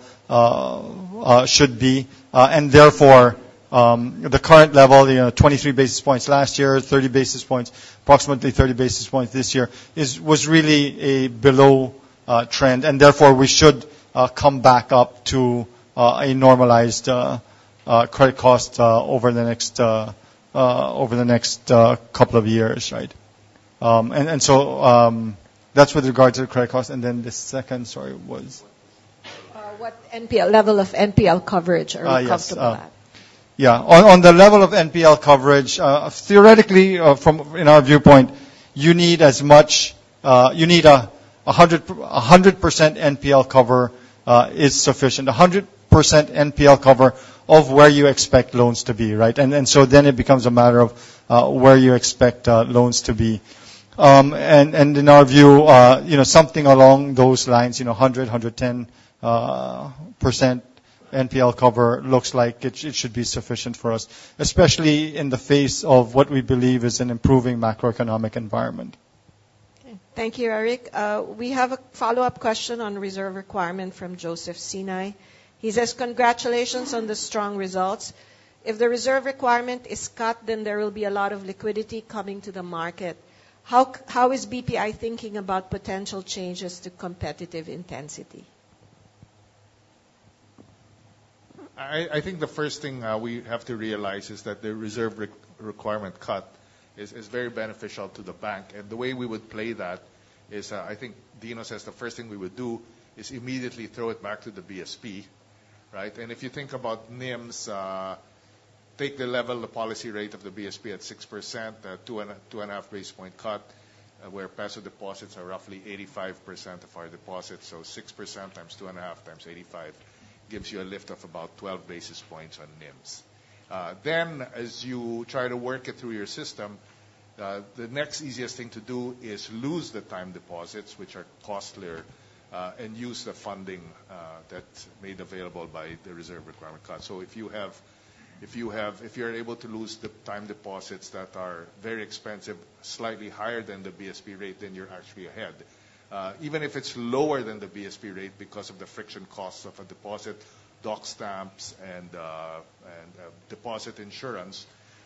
should be. Therefore, the current level, you know, 23 basis points last year, approximately 30 basis points this year was really a below trend. Therefore, we should come back up to a normalized credit cost over the next couple of years, right? That's with regard to the credit cost. The second, sorry, was? What NPL level of NPL coverage? Yes. Are you comfortable at? Yeah. On the level of NPL coverage, theoretically, from, you know, viewpoint, you need as much, you need 100% NPL cover is sufficient. 100% NPL cover of where you expect loans to be, right? It becomes a matter of where you expect loans to be. In our view, you know, something along those lines, you know, 110% NPL cover looks like it should be sufficient for us, especially in the face of what we believe is an improving macroeconomic environment. Okay. Thank you, Eric. We have a follow-up question on reserve requirement from Joseph Sinai. He says, "Congratulations on the strong results. If the reserve requirement is cut, then there will be a lot of liquidity coming to the market. How is BPI thinking about potential changes to competitive intensity? I think the first thing we have to realize is that the reserve requirement cut is very beneficial to the bank. The way we would play that is, I think Dino says the first thing we would do is immediately throw it back to the BSP, right? If you think about NIMs, take the level, the policy rate of the BSP at 6%, 2.5 basis point cut, where peso deposits are roughly 85% of our deposits. 6%x2.5x85 gives you a lift of about 12 basis points on NIMs. As you try to work it through your system, the next easiest thing to do is lose the time deposits, which are costlier, and use the funding that's made available by the reserve requirement cut. If you're able to lose the time deposits that are very expensive, slightly higher than the BSP rate, then you're actually ahead. Even if it's lower than the BSP rate because of the friction costs of a deposit, doc stamps and deposit insurance,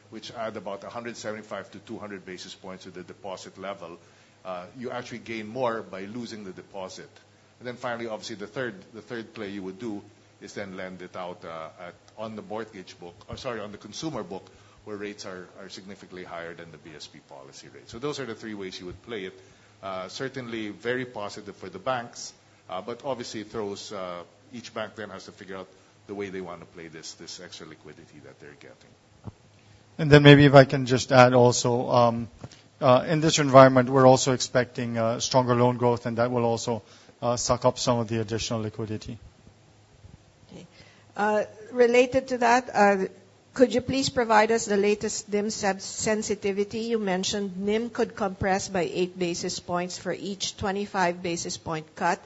which add about 175-200 basis points to the deposit level, you actually gain more by losing the deposit. Finally, obviously, the third play you would do is then lend it out at on the mortgage book. Sorry, on the consumer book, where rates are significantly higher than the BSP policy rate. Those are the three ways you would play it. Certainly very positive for the banks, but obviously those, each bank then has to figure out the way they wanna play this extra liquidity that they're getting. Maybe if I can just add also, in this environment, we're also expecting stronger loan growth, and that will also suck up some of the additional liquidity. Okay. Related to that, could you please provide us the latest NIM sensitivity? You mentioned NIM could compress by 8 basis points for each 25 basis point cut.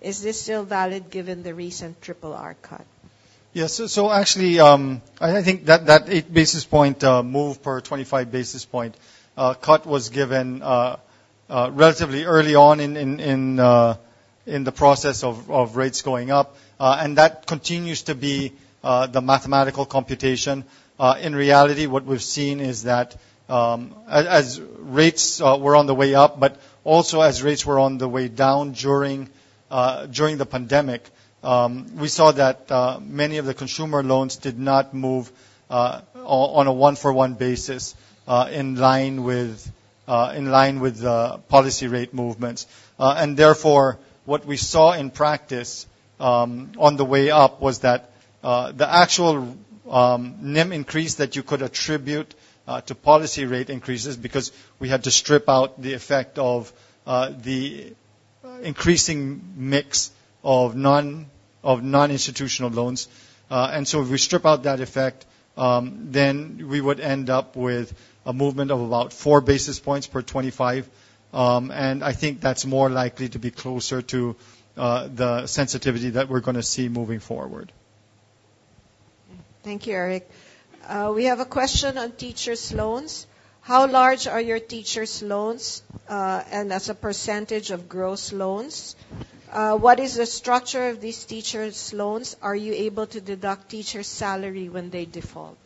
Is this still valid given the recent RRR cut? Yes. Actually, I think that 8 basis point move per 25 basis point cut was given relatively early on in the process of rates going up. That continues to be the mathematical computation. In reality, what we've seen is that, as rates were on the way up, but also as rates were on the way down during the pandemic, we saw that many of the consumer loans did not move on a one-for-one basis in line with policy rate movements. What we saw in practice, on the way up, was that the actual NIM increase that you could attribute to policy rate increases because we had to strip out the effect of the increasing mix of non-institutional loans. If we strip out that effect, then we would end up with a movement of about four basis points per 25. I think that's more likely to be closer to the sensitivity that we're gonna see moving forward. Thank you, Eric. We have a question on teachers' loans. How large are your teachers' loans, and as a percentage of gross loans? What is the structure of these teachers' loans? Are you able to deduct teachers' salary when they default?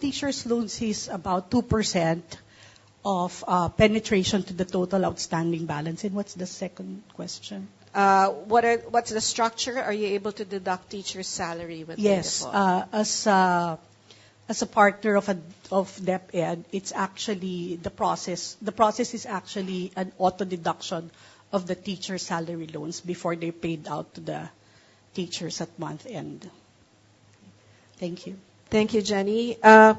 Teachers' loans is about 2% of penetration to the total outstanding balance. What's the second question? What's the structure? Are you able to deduct teachers' salary when they default? Yes. As a partner of DepEd, it's actually the process. The process is actually an auto deduction of the teachers' salary loans before they're paid out to the teachers at month end. Thank you. Thank you, Jenny. There's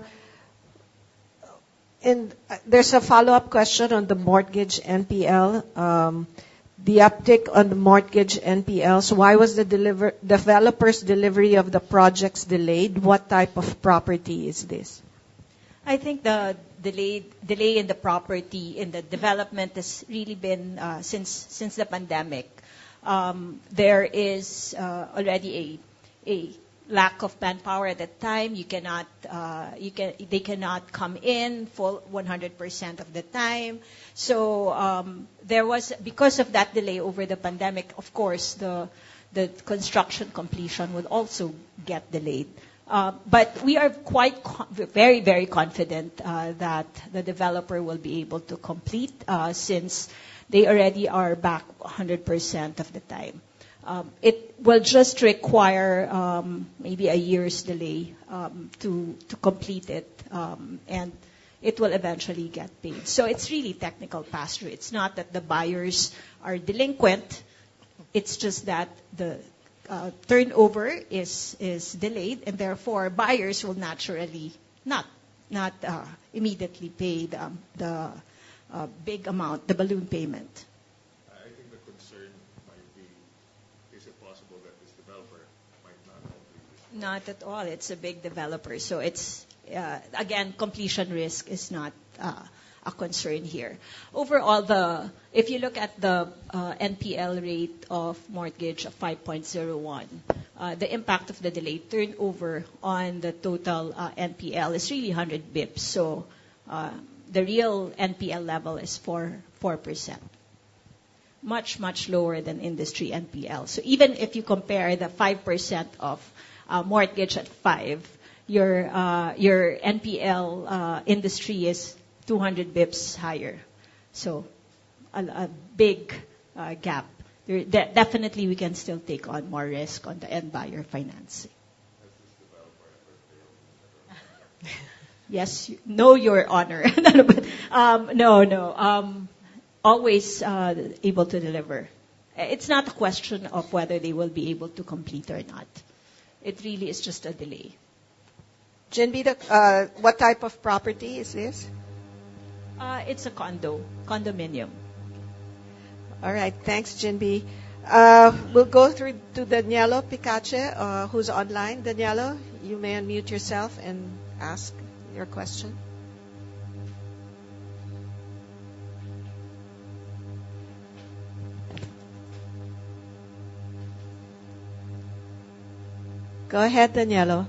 a follow-up question on the mortgage NPL. The uptick on the mortgage NPLs, why was the developer's delivery of the projects delayed? What type of property is this? I think the delay in the property, in the development has really been since the pandemic. There is already a lack of manpower at that time. They cannot come in full 100% of the time. Because of that delay over the pandemic, of course, the construction completion would also get delayed. We are very confident that the developer will be able to complete, since they already are back 100% of the time. It will just require maybe a year's delay to complete it, and it will eventually get paid. It's really technical, Pastor. It's not that the buyers are delinquent. It's just that the turnover is delayed and therefore buyers will naturally not immediately pay the big amount, the balloon payment. I think the concern might be, is it possible that this developer might not complete? Not at all. It's a big developer. It's again, completion risk is not a concern here. Overall, if you look at the NPL rate of mortgage of 5.01, the impact of the delayed turnover on the total NPL is really 100 basis points. The real NPL level is 4.4%. Much lower than industry NPL. Even if you compare the 5% of mortgage at five, your NPL industry is 200 basis points higher. A big gap. Definitely, we can still take on more risk on the end buyer financing. Has this developer ever failed to deliver? Yes. No, Your Honor. No. Always able to deliver. It's not a question of whether they will be able to complete or not. It really is just a delay. Ginbee, what type of property is this? It's a condo, condominium. All right. Thanks, Ginbee. We'll go through to Danielo Picache, who's online. Danielo, you may unmute yourself and ask your question. Go ahead, Danielo.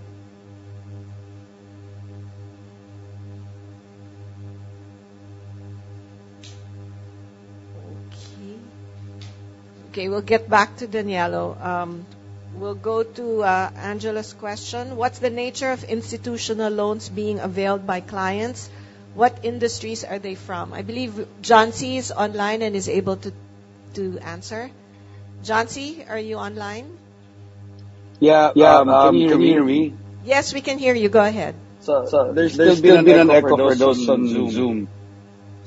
Okay, we'll get back to Danielo. We'll go to Angela's question. What's the nature of institutional loans being availed by clients? What industries are they from? I believe Juan is online and is able to answer. Juan, are you online? Yeah, can you hear me? Yes, we can hear you. Go ahead. There's still been an echo for those on Zoom.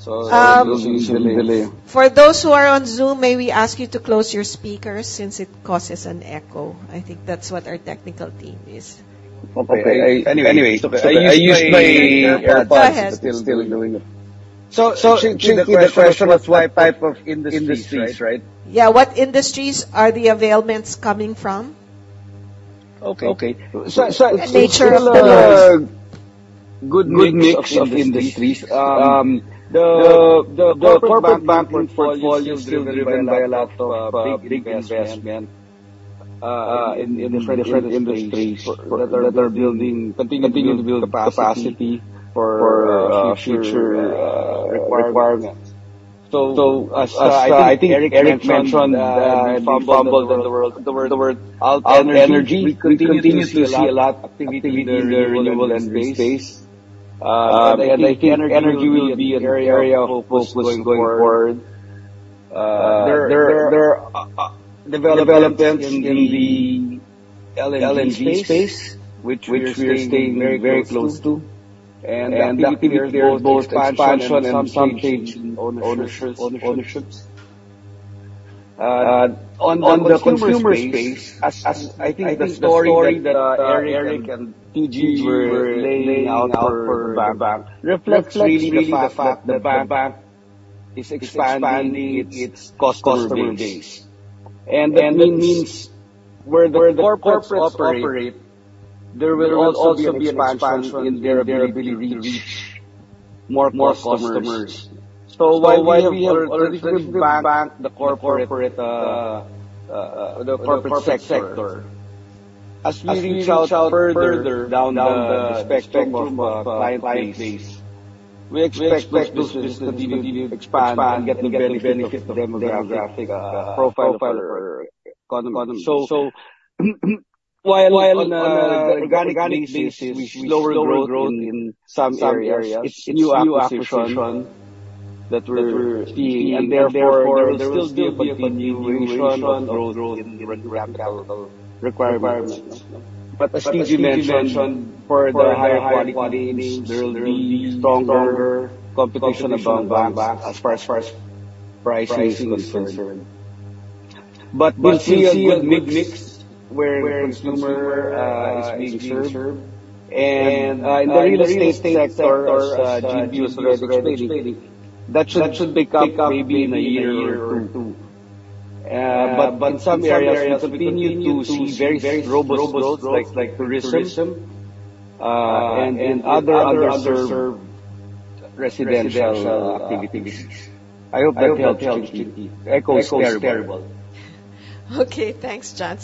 There's usually a delay. For those who are on Zoom, may we ask you to close your speakers since it causes an echo. I think that's what our technical team is. Okay. Anyway, I used my AirPods. Go ahead. It's still doing it. The question was what type of industries, right? Yeah. What industries are the availments coming from? Okay. The nature of the loans. It's still a good mix of industries. The corporate banking portfolio is still driven by a lot of big investment in different industries that are building, continuing to build capacity for future requirements. As I think Eric mentioned, the fundamentals in the world of alternative energy, we continue to see a lot of activity in the renewable energy space. I think energy will be an area of focus going forward. There are developments in the LNG space, which we are staying very close to, and activity there, both expansion and some change in ownerships. On the consumer space, I think the story that Eric and Ginbee were laying out for the bank reflects really the fact that the bank is expanding its customer base. That means where the corporates operate, there will also be an expansion in their ability to reach more customers. While we have already equipped the bank, the corporate sector, as we reach out further down the spectrum of client base, we expect those businesses to continue to expand and get the benefit of the demographic profile of our economy. While on organic basis, we see slower growth in some areas, it's new acquisition that we're seeing. Therefore, there will still be a continuation of growth in the regulatory requirements. As Gigi mentioned, for the higher quality names, there will be stronger competition among banks as far as pricing is concerned. We'll see a good mix where consumer is being served and in the real estate sector as Ginbee was already explaining. That should pick up maybe in a year or two. In some areas, we continue to see very robust growth like tourism, and in other underserved, residential activities. I hope that helped, Gigi. Echoes terrible. Okay, thanks, Juan.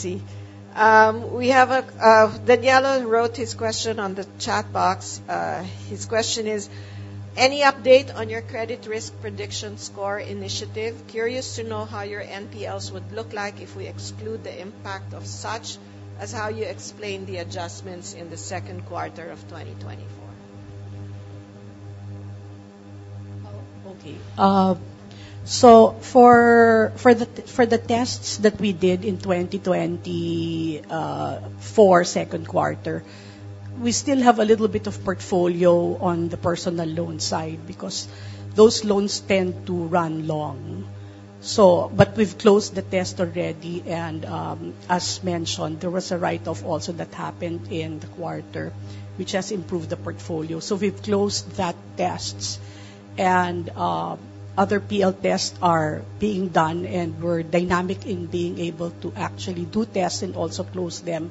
We have Daniella wrote his question on the chat box. His question is: Any update on your credit risk prediction score initiative? Curious to know how your NPLs would look like if we exclude the impact of such as how you explained the adjustments in the second quarter of 2024. Oh, okay. For the tests that we did in 2024 second quarter, we still have a little bit of portfolio on the personal loan side because those loans tend to run long. We've closed the test already, and as mentioned, there was a write-off also that happened in the quarter, which has improved the portfolio. We've closed that tests. Other PL tests are being done, and we're dynamic in being able to actually do tests and also close them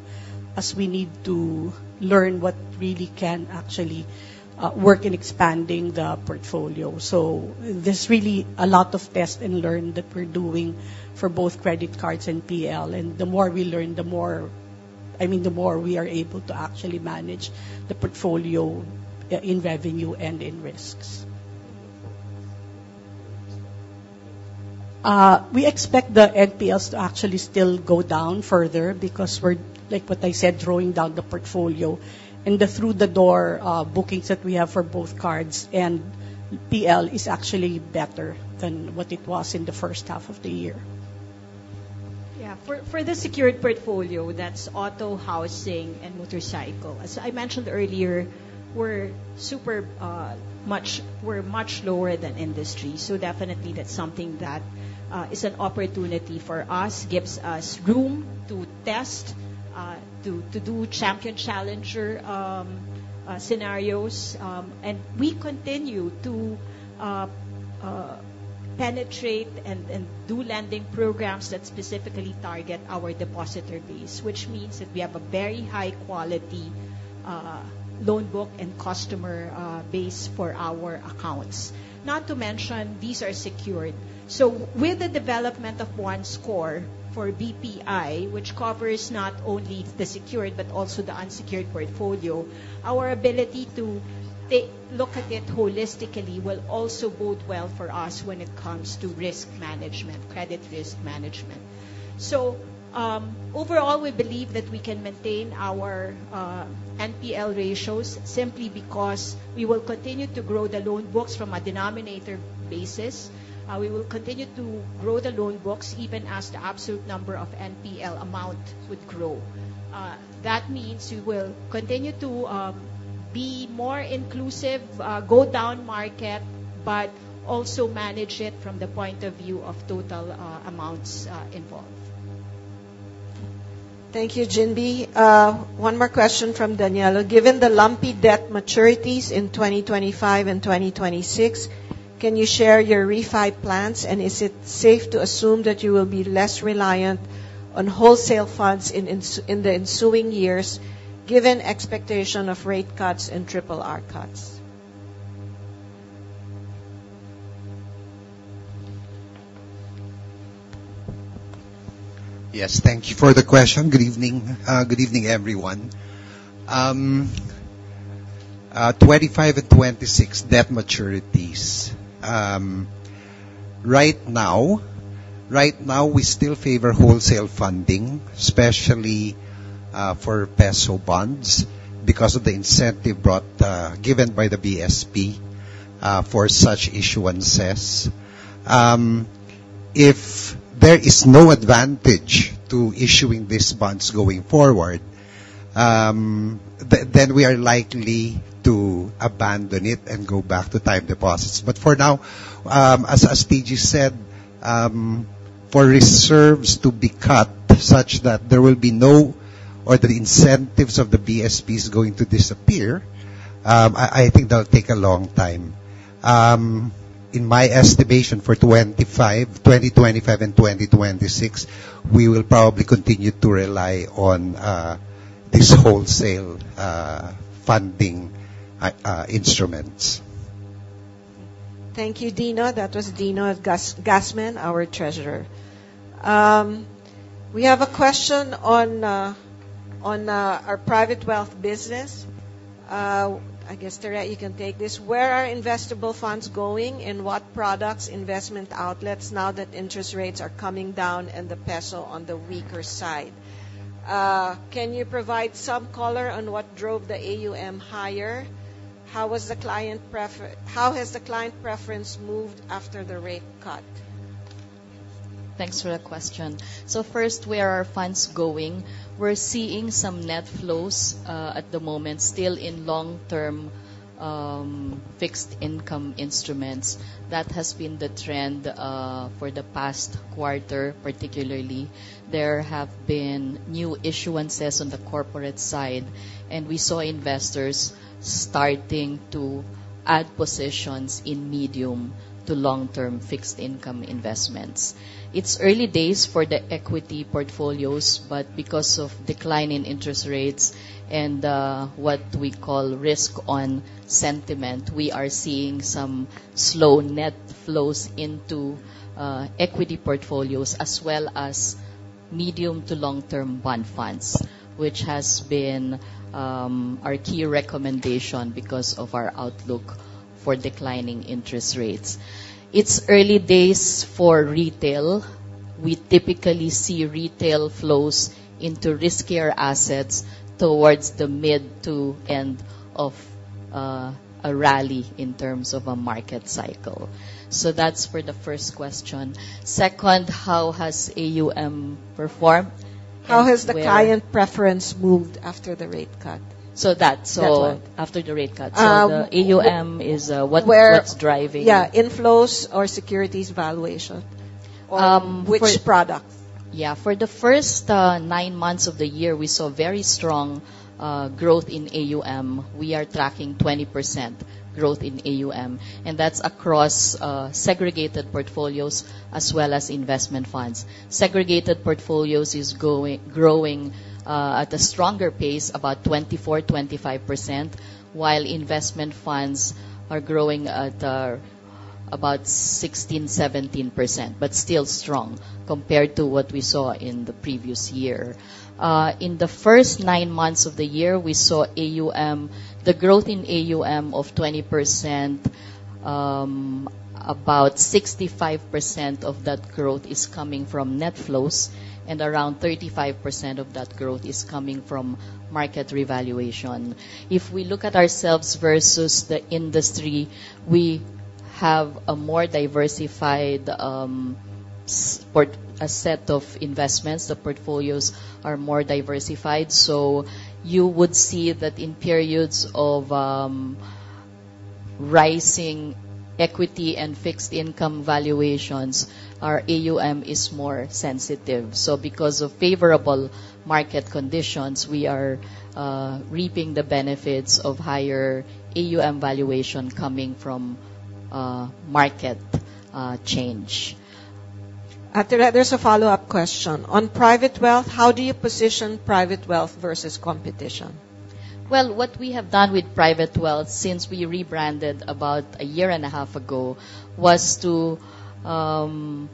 as we need to learn what really can actually work in expanding the portfolio. There's really a lot of test and learn that we're doing for both credit cards and PL, and the more we learn, the more. I mean, the more we are able to actually manage the portfolio in revenue and in risks. We expect the NPLs to actually still go down further because we're, like what I said, drawing down the portfolio. The through-the-door bookings that we have for both cards and PL is actually better than what it was in the first half of the year. For the secured portfolio, that's auto, housing, and motorcycle. As I mentioned earlier, we're much lower than industry. Definitely that's something that is an opportunity for us, gives us room to test to do champion-challenger scenarios. We continue to penetrate and do lending programs that specifically target our depositor base, which means that we have a very high quality loan book and customer base for our accounts. Not to mention, these are secured. With the development of one score for BPI, which covers not only the secured but also the unsecured portfolio, our ability to look at it holistically will also bode well for us when it comes to risk management, credit risk management. Overall, we believe that we can maintain our NPL ratios simply because we will continue to grow the loan books from a denominator basis. We will continue to grow the loan books even as the absolute number of NPL amount would grow. That means we will continue to be more inclusive, go down market, but also manage it from the point of view of total amounts involved. Thank you, Ginbee Go. One more question from Daniella. Given the lumpy debt maturities in 2025 and 2026, can you share your refi plans, and is it safe to assume that you will be less reliant on wholesale funds in the ensuing years, given expectation of rate cuts and RRR cuts? Yes. Thank you for the question. Good evening. Good evening, everyone. 2025 and 2026 debt maturities. Right now, we still favor wholesale funding, especially, for peso bonds because of the incentive brought, given by the BSP, for such issuances. If there is no advantage to issuing these bonds going forward. We are likely to abandon it and go back to time deposits. For now, as TG said, for reserves to be cut such that there will be no, or the incentives of the BSP is going to disappear, I think that'll take a long time. In my estimation, for 2025 and 2026, we will probably continue to rely on this wholesale funding instruments. Thank you, Dino. That was Dino Gasmin, our treasurer. We have a question on our private wealth business. I guess, Theresa, you can take this. Where are investable funds going, and what products, investment outlets now that interest rates are coming down and the peso on the weaker side? Can you provide some color on what drove the AUM higher? How has the client preference moved after the rate cut? Thanks for the question. First, where are funds going? We're seeing some net flows at the moment still in long-term fixed income instruments. That has been the trend for the past quarter, particularly. There have been new issuances on the corporate side, and we saw investors starting to add positions in medium to long-term fixed income investments. It's early days for the equity portfolios, but because of decline in interest rates and what we call risk on sentiment, we are seeing some slow net flows into equity portfolios as well as medium to long-term bond funds, which has been our key recommendation because of our outlook for declining interest rates. It's early days for retail. We typically see retail flows into riskier assets towards the mid to end of a rally in terms of a market cycle. That's for the first question. Second, how has AUM performed? Where- How has the client preference moved after the rate cut? That. That one. After the rate cut. Um- The AUM is. Where- What's driving. Yeah, inflows or securities valuation. Um, for- Which products? Yeah. For the first nine months of the year, we saw very strong growth in AUM. We are tracking 20% growth in AUM, and that's across segregated portfolios as well as investment funds. Segregated portfolios is growing at a stronger pace, about 24%-25%, while investment funds are growing at about 16%-17%, but still strong compared to what we saw in the previous year. In the first nine months of the year, we saw AUM, the growth in AUM of 20%. About 65% of that growth is coming from net flows, and around 35% of that growth is coming from market revaluation. If we look at ourselves versus the industry, we have a more diversified a set of investments. The portfolios are more diversified. You would see that in periods of rising equity and fixed income valuations, our AUM is more sensitive. Because of favorable market conditions, we are reaping the benefits of higher AUM valuation coming from market change. Tere, there's a follow-up question. On private wealth, how do you position private wealth versus competition? Well, what we have done with private wealth since we rebranded about a year and a half ago, was to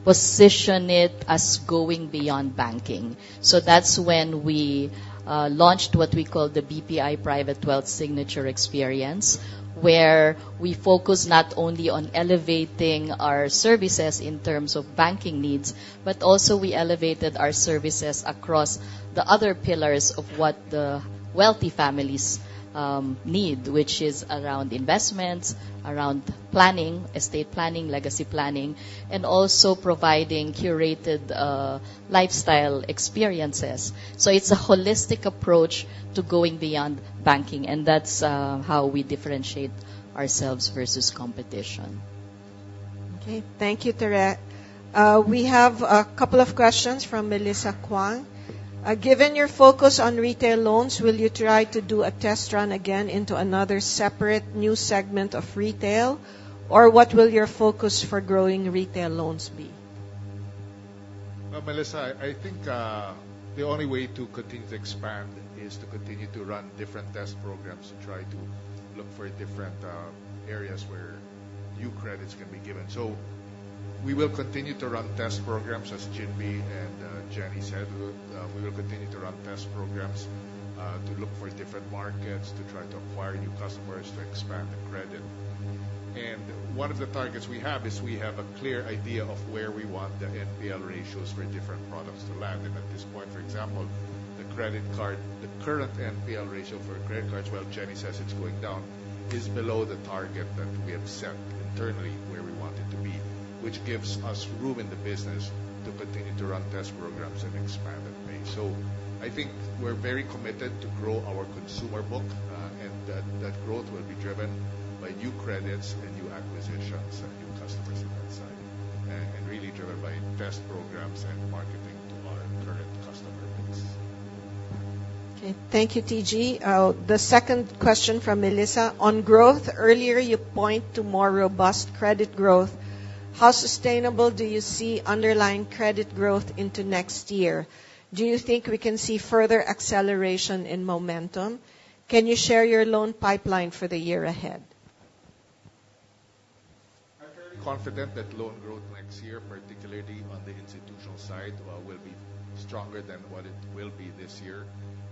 position it as going beyond banking. That's when we launched what we call the BPI Private Wealth Signature Experience, where we focus not only on elevating our services in terms of banking needs, but also we elevated our services across the other pillars of what the wealthy families need, which is around investments, around planning, estate planning, legacy planning, and also providing curated lifestyle experiences. It's a holistic approach to going beyond banking, and that's how we differentiate ourselves versus competition. Okay. Thank you, Tere. We have a couple of questions from Melissa Kwan. Given your focus on retail loans, will you try to do a test run again into another separate new segment of retail, or what will your focus for growing retail loans be? Melissa, I think the only way to continue to expand is to continue to run different test programs to try to look for different areas where new credits can be given. We will continue to run test programs, as Ginbee and Jenny said. We will continue to run test programs to look for different markets to try to acquire new customers to expand the credit. One of the targets we have is we have a clear idea of where we want the NPL ratios for different products to land. At this point, for example, the credit card, the current NPL ratio for credit cards, while Jenny says it's going down, is below the target that we have set internally where we want it to be, which gives us room in the business to continue to run test programs and expand that way. I think we're very committed to grow our consumer book, and that growth will be driven by new credits and new acquisitions and new customers on that side. Really driven by test programs and marketing to our current customer base. Okay. Thank you, TG. The second question from Melissa. On growth, earlier you point to more robust credit growth. How sustainable do you see underlying credit growth into next year? Do you think we can see further acceleration in momentum? Can you share your loan pipeline for the year ahead? I'm very confident that loan growth next year, particularly on the institutional side, will be stronger than what it will be this year,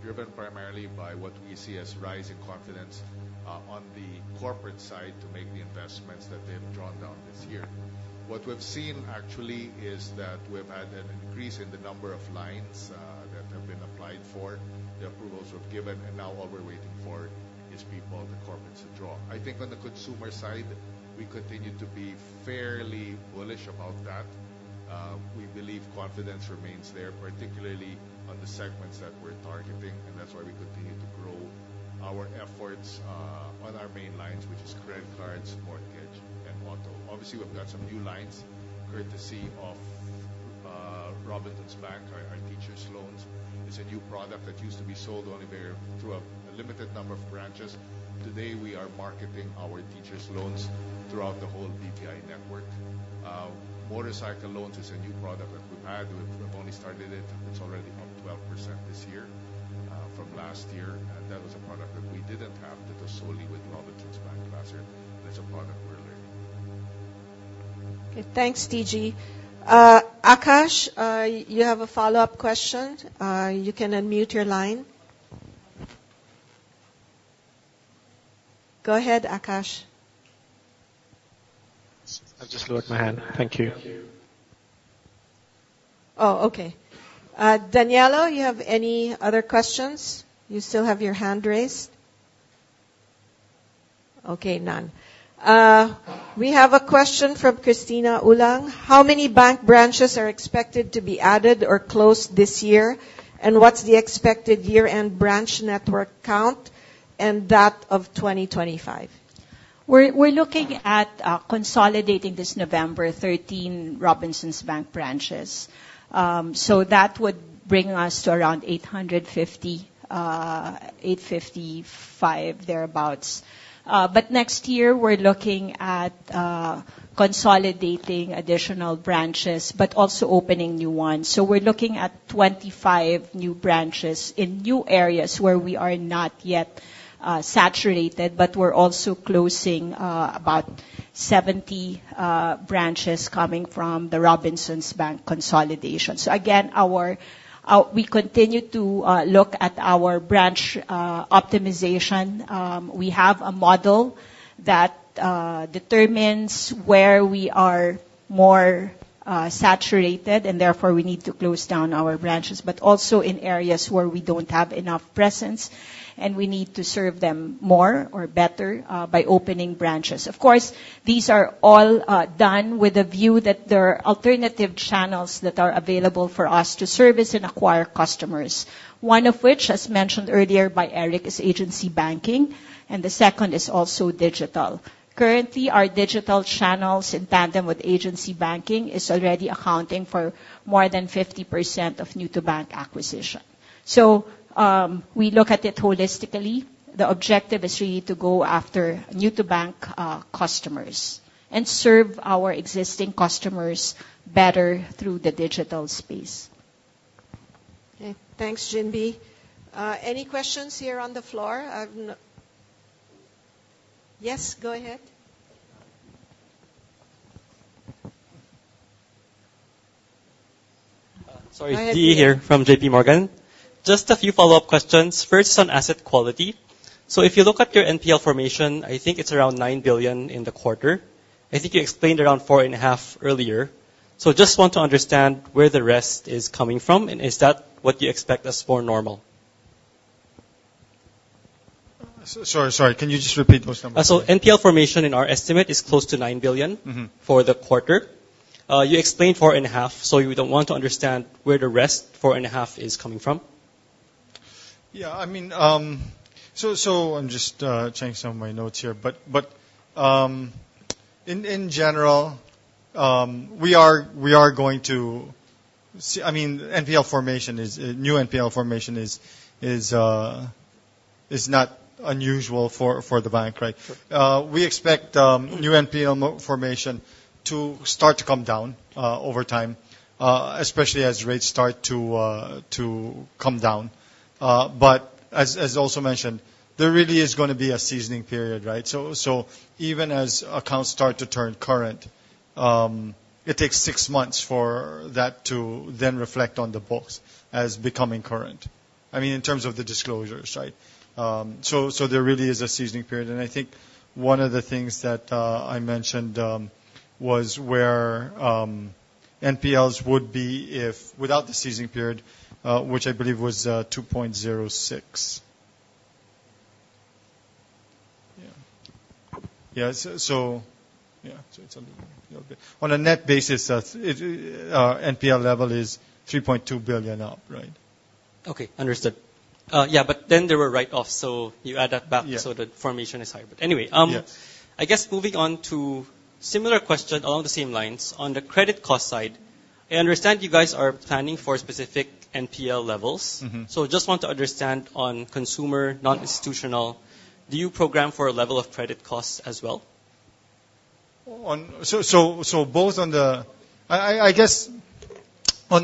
driven primarily by what we see as rise in confidence on the corporate side to make the investments that they've drawn down this year. What we've seen actually is that we've had an increase in the number of lines that have been applied for. The approvals we've given, and now all we're waiting for is people, the corporates to draw. I think on the consumer side, we continue to be fairly bullish about that. We believe confidence remains there, particularly on the segments that we're targeting, and that's why we continue to grow our efforts on our main lines, which is credit cards, mortgage, and auto. Obviously, we've got some new lines courtesy of Robinsons Bank. Our Teachers' Loans is a new product that used to be sold only through a limited number of branches. Today, we are marketing our Teachers' Loans throughout the whole BPI network. Motorcycle Loans is a new product that we've had. We've only started it. It's already up 12% this year from last year. That was a product that we didn't have that was solely with Robinsons Bank last year, and it's a product we're learning. Okay. Thanks, TG. Akash, you have a follow-up question? You can unmute your line. Go ahead, Akash. I've just lowered my hand. Thank you. Oh, okay. Daniella, you have any other questions? You still have your hand raised. Okay. None. We have a question from Cristina Ulang. How many bank branches are expected to be added or closed this year? And what's the expected year-end branch network count, and that of 2025? We're looking at consolidating this November 13 Robinsons Bank branches. So that would bring us to around 850, 855, thereabouts. Next year we're looking at consolidating additional branches, but also opening new ones. We're looking at 25 new branches in new areas where we are not yet saturated, but we're also closing about 70 branches coming from the Robinsons Bank consolidation. We continue to look at our branch optimization. We have a model that determines where we are more saturated, and therefore we need to close down our branches. Also in areas where we don't have enough presence, and we need to serve them more or better by opening branches. Of course, these are all, done with a view that there are alternative channels that are available for us to service and acquire customers, one of which, as mentioned earlier by Eric, is agency banking, and the second is also digital. Currently, our digital channels in tandem with agency banking is already accounting for more than 50% of new-to-bank acquisition. We look at it holistically. The objective is really to go after new-to-bank, customers and serve our existing customers better through the digital space. Okay. Thanks, Ginbee. Any questions here on the floor? Yes, go ahead. Sorry. Go ahead. Diyi here from JP Morgan. Just a few follow-up questions. First, on asset quality. If you look at your NPL formation, I think it's around 9 billion in the quarter. I think you explained around 4.5 billion earlier. Just want to understand where the rest is coming from, and is that what you expect as more normal? Sorry, can you just repeat those numbers? NPL formation in our estimate is close to 9 billion- Mm-hmm. For the quarter. You explained 4.5 billion, so we want to understand where the rest 4.5 billion is coming from. I mean, so I'm just checking some of my notes here. In general, we are going to see. I mean, new NPL formation is not unusual for the bank, right? Sure. We expect new NPL formation to start to come down over time, especially as rates start to come down. As also mentioned, there really is gonna be a seasoning period, right? Even as accounts start to turn current. It takes six months for that to then reflect on the books as becoming current. I mean, in terms of the disclosures, right? So there really is a seasoning period. I think one of the things that I mentioned was where NPLs would be if without the seasoning period, which I believe was 2.06%. Yeah. So it's a little bit. On a net basis, it NPL level is 3.2 billion up, right? Okay. Understood. Yeah, there were write-offs, so you add that back. Yeah. The formation is higher. Anyway. Yeah. I guess moving on to similar question along the same lines. On the credit cost side, I understand you guys are planning for specific NPL levels. Mm-hmm. Just want to understand on consumer, non-institutional, do you program for a level of credit costs as well? Both on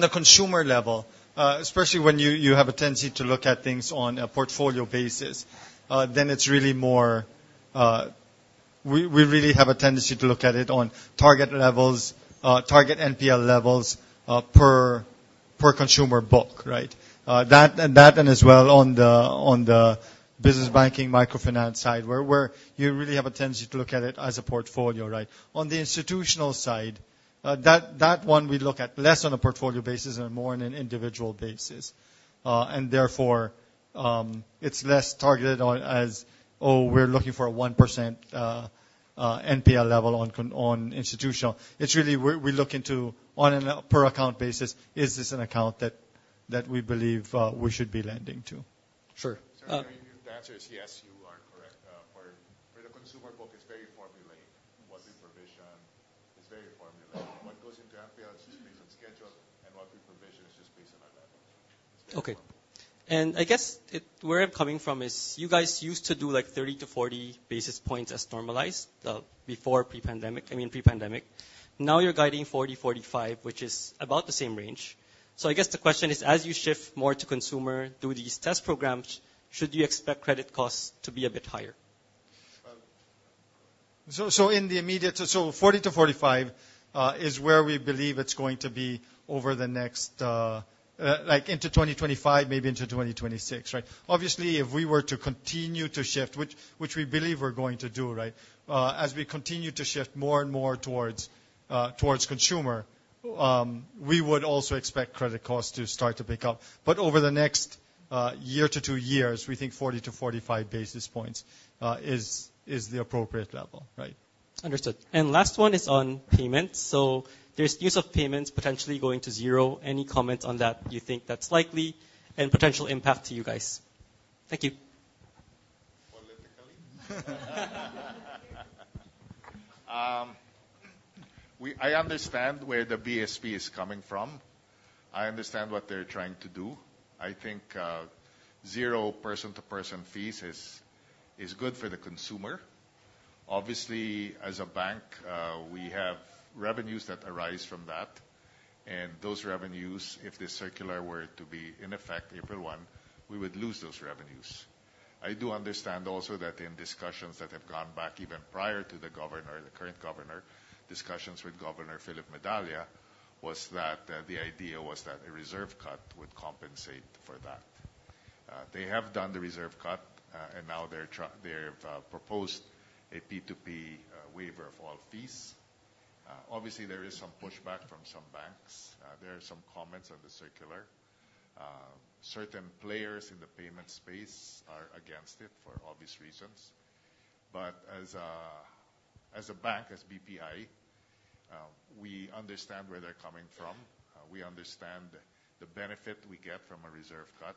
the consumer level, especially when you have a tendency to look at things on a portfolio basis, then it's really more, we really have a tendency to look at it on target levels, target NPL levels, per consumer book, right? That and as well on the business banking microfinance side, where you really have a tendency to look at it as a portfolio, right? On the institutional side, that one we look at less on a portfolio basis and more on an individual basis. And therefore, it's less targeted on as, oh, we're looking for a 1% NPL level on institutional. It's really we're looking to on a per account basis, is this an account that we believe we should be lending to? Sure. Sir, if the answer is yes, you are correct. For the consumer book, it's very formulaic. What's the provision? It's very formulaic. What goes into NPL is just based on schedule, and what we provision is just based on our level. Okay. I guess where I'm coming from is you guys used to do like 30-40 basis points as normalized, before pre-pandemic, I mean, pre-pandemic. Now you're guiding 40-45 basis points, which is about the same range. I guess the question is, as you shift more to consumer through these test programs, should you expect credit costs to be a bit higher? 40-45 basis points is where we believe it's going to be over the next, like into 2025, maybe into 2026, right? Obviously, if we were to continue to shift, which we believe we're going to do, right? As we continue to shift more and more towards consumer, we would also expect credit costs to start to pick up. Over the next year to two years, we think 40-45 basis points is the appropriate level, right? Understood. Last one is on payments. There's use of payments potentially going to zero. Any comment on that? Do you think that's likely and potential impact to you guys? Thank you. Politically? I understand where the BSP is coming from. I understand what they're trying to do. I think, zero person-to-person fees is good for the consumer. Obviously, as a bank, we have revenues that arise from that, and those revenues, if the circular were to be in effect April 1, we would lose those revenues. I do understand also that in discussions that have gone back even prior to the governor, the current governor, discussions with Governor Felipe Medalla, was that, the idea was that a reserve cut would compensate for that. They have done the reserve cut, and now they've proposed a P2P waiver of all fees. Obviously, there is some pushback from some banks. There are some comments on the circular. Certain players in the payment space are against it for obvious reasons. As a bank, as BPI, we understand where they're coming from. We understand the benefit we get from a reserve cut,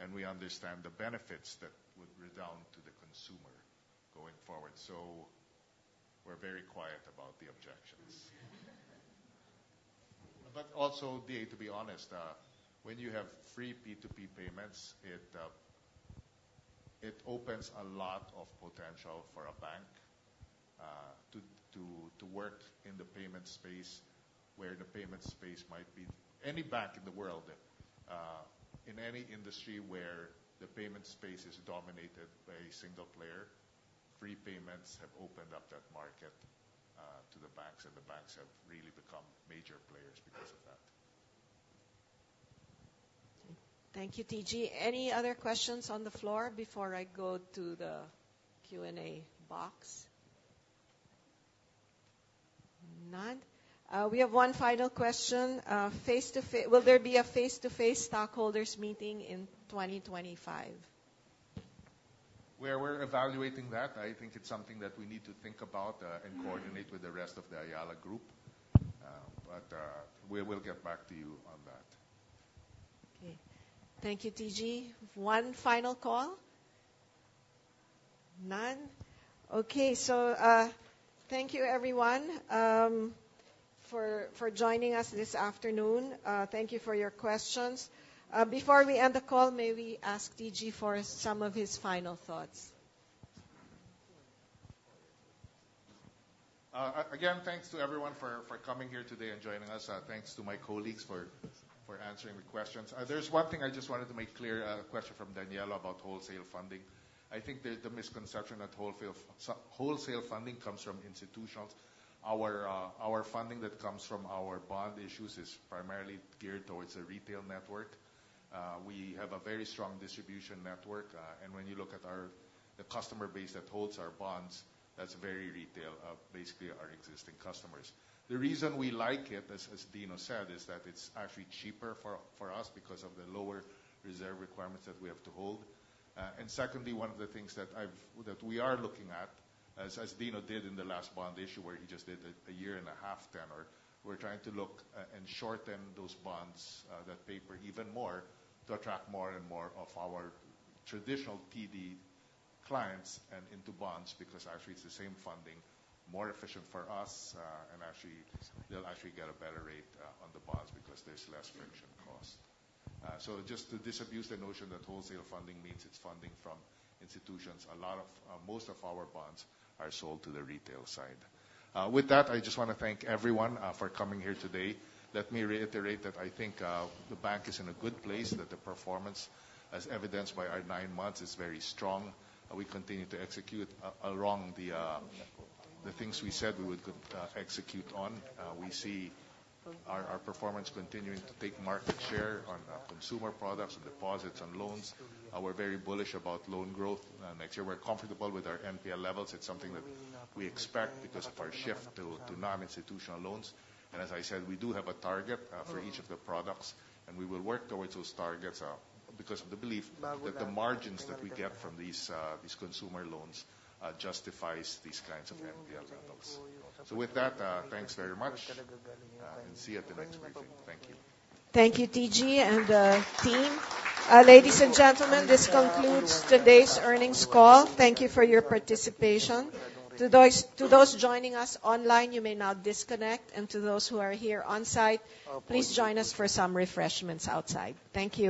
and we understand the benefits that would redound to the consumer going forward. We're very quiet about the objections. Dave, to be honest, when you have free P2P payments, it opens a lot of potential for a bank to work in the payment space where the payment space might be any bank in the world. In any industry where the payment space is dominated by a single player, free payments have opened up that market to the banks, and the banks have really become major players because of that. Thank you, TG. Any other questions on the floor before I go to the Q&A box? None. We have one final question. Will there be a face-to-face stockholders meeting in 2025? We're evaluating that. I think it's something that we need to think about and coordinate with the rest of the Ayala Group. We will get back to you on that. Okay. Thank you, TG. One final call. None. Okay. Thank you everyone, for joining us this afternoon. Thank you for your questions. Before we end the call, may we ask TG for some of his final thoughts? Thanks to everyone for coming here today and joining us. Thanks to my colleagues for answering the questions. There's one thing I just wanted to make clear, a question from Daniella about wholesale funding. I think there's the misconception that wholesale funding comes from institutions. Our funding that comes from our bond issues is primarily geared towards a retail network. We have a very strong distribution network. When you look at the customer base that holds our bonds, that's very retail, basically our existing customers. The reason we like it, as Dino said, is that it's actually cheaper for us because of the lower reserve requirements that we have to hold. Secondly, one of the things that I've. That we are looking at, as Dino did in the last bond issue, where he just did a year and a half tenor. We're trying to look and shorten those bonds, that paper even more to attract more and more of our traditional PD clients and into bonds, because actually it's the same funding, more efficient for us, and actually they'll actually get a better rate on the bonds because there's less friction cost. Just to disabuse the notion that wholesale funding means it's funding from institutions, a lot of most of our bonds are sold to the retail side. With that, I just wanna thank everyone for coming here today. Let me reiterate that I think the bank is in a good place, that the performance, as evidenced by our nine months, is very strong, and we continue to execute along the things we said we would execute on. We see our performance continuing to take market share on consumer products and deposits and loans. We're very bullish about loan growth next year. We're comfortable with our NPL levels. It's something that we expect because of our shift to non-institutional loans. As I said, we do have a target for each of the products, and we will work towards those targets because of the belief that the margins that we get from these consumer loans justifies these kinds of NPL levels. With that, thanks very much, and see you at the next briefing. Thank you. Thank you, TG and team. Ladies and gentlemen, this concludes today's earnings call. Thank you for your participation. To those joining us online, you may now disconnect. To those who are here on site, please join us for some refreshments outside. Thank you.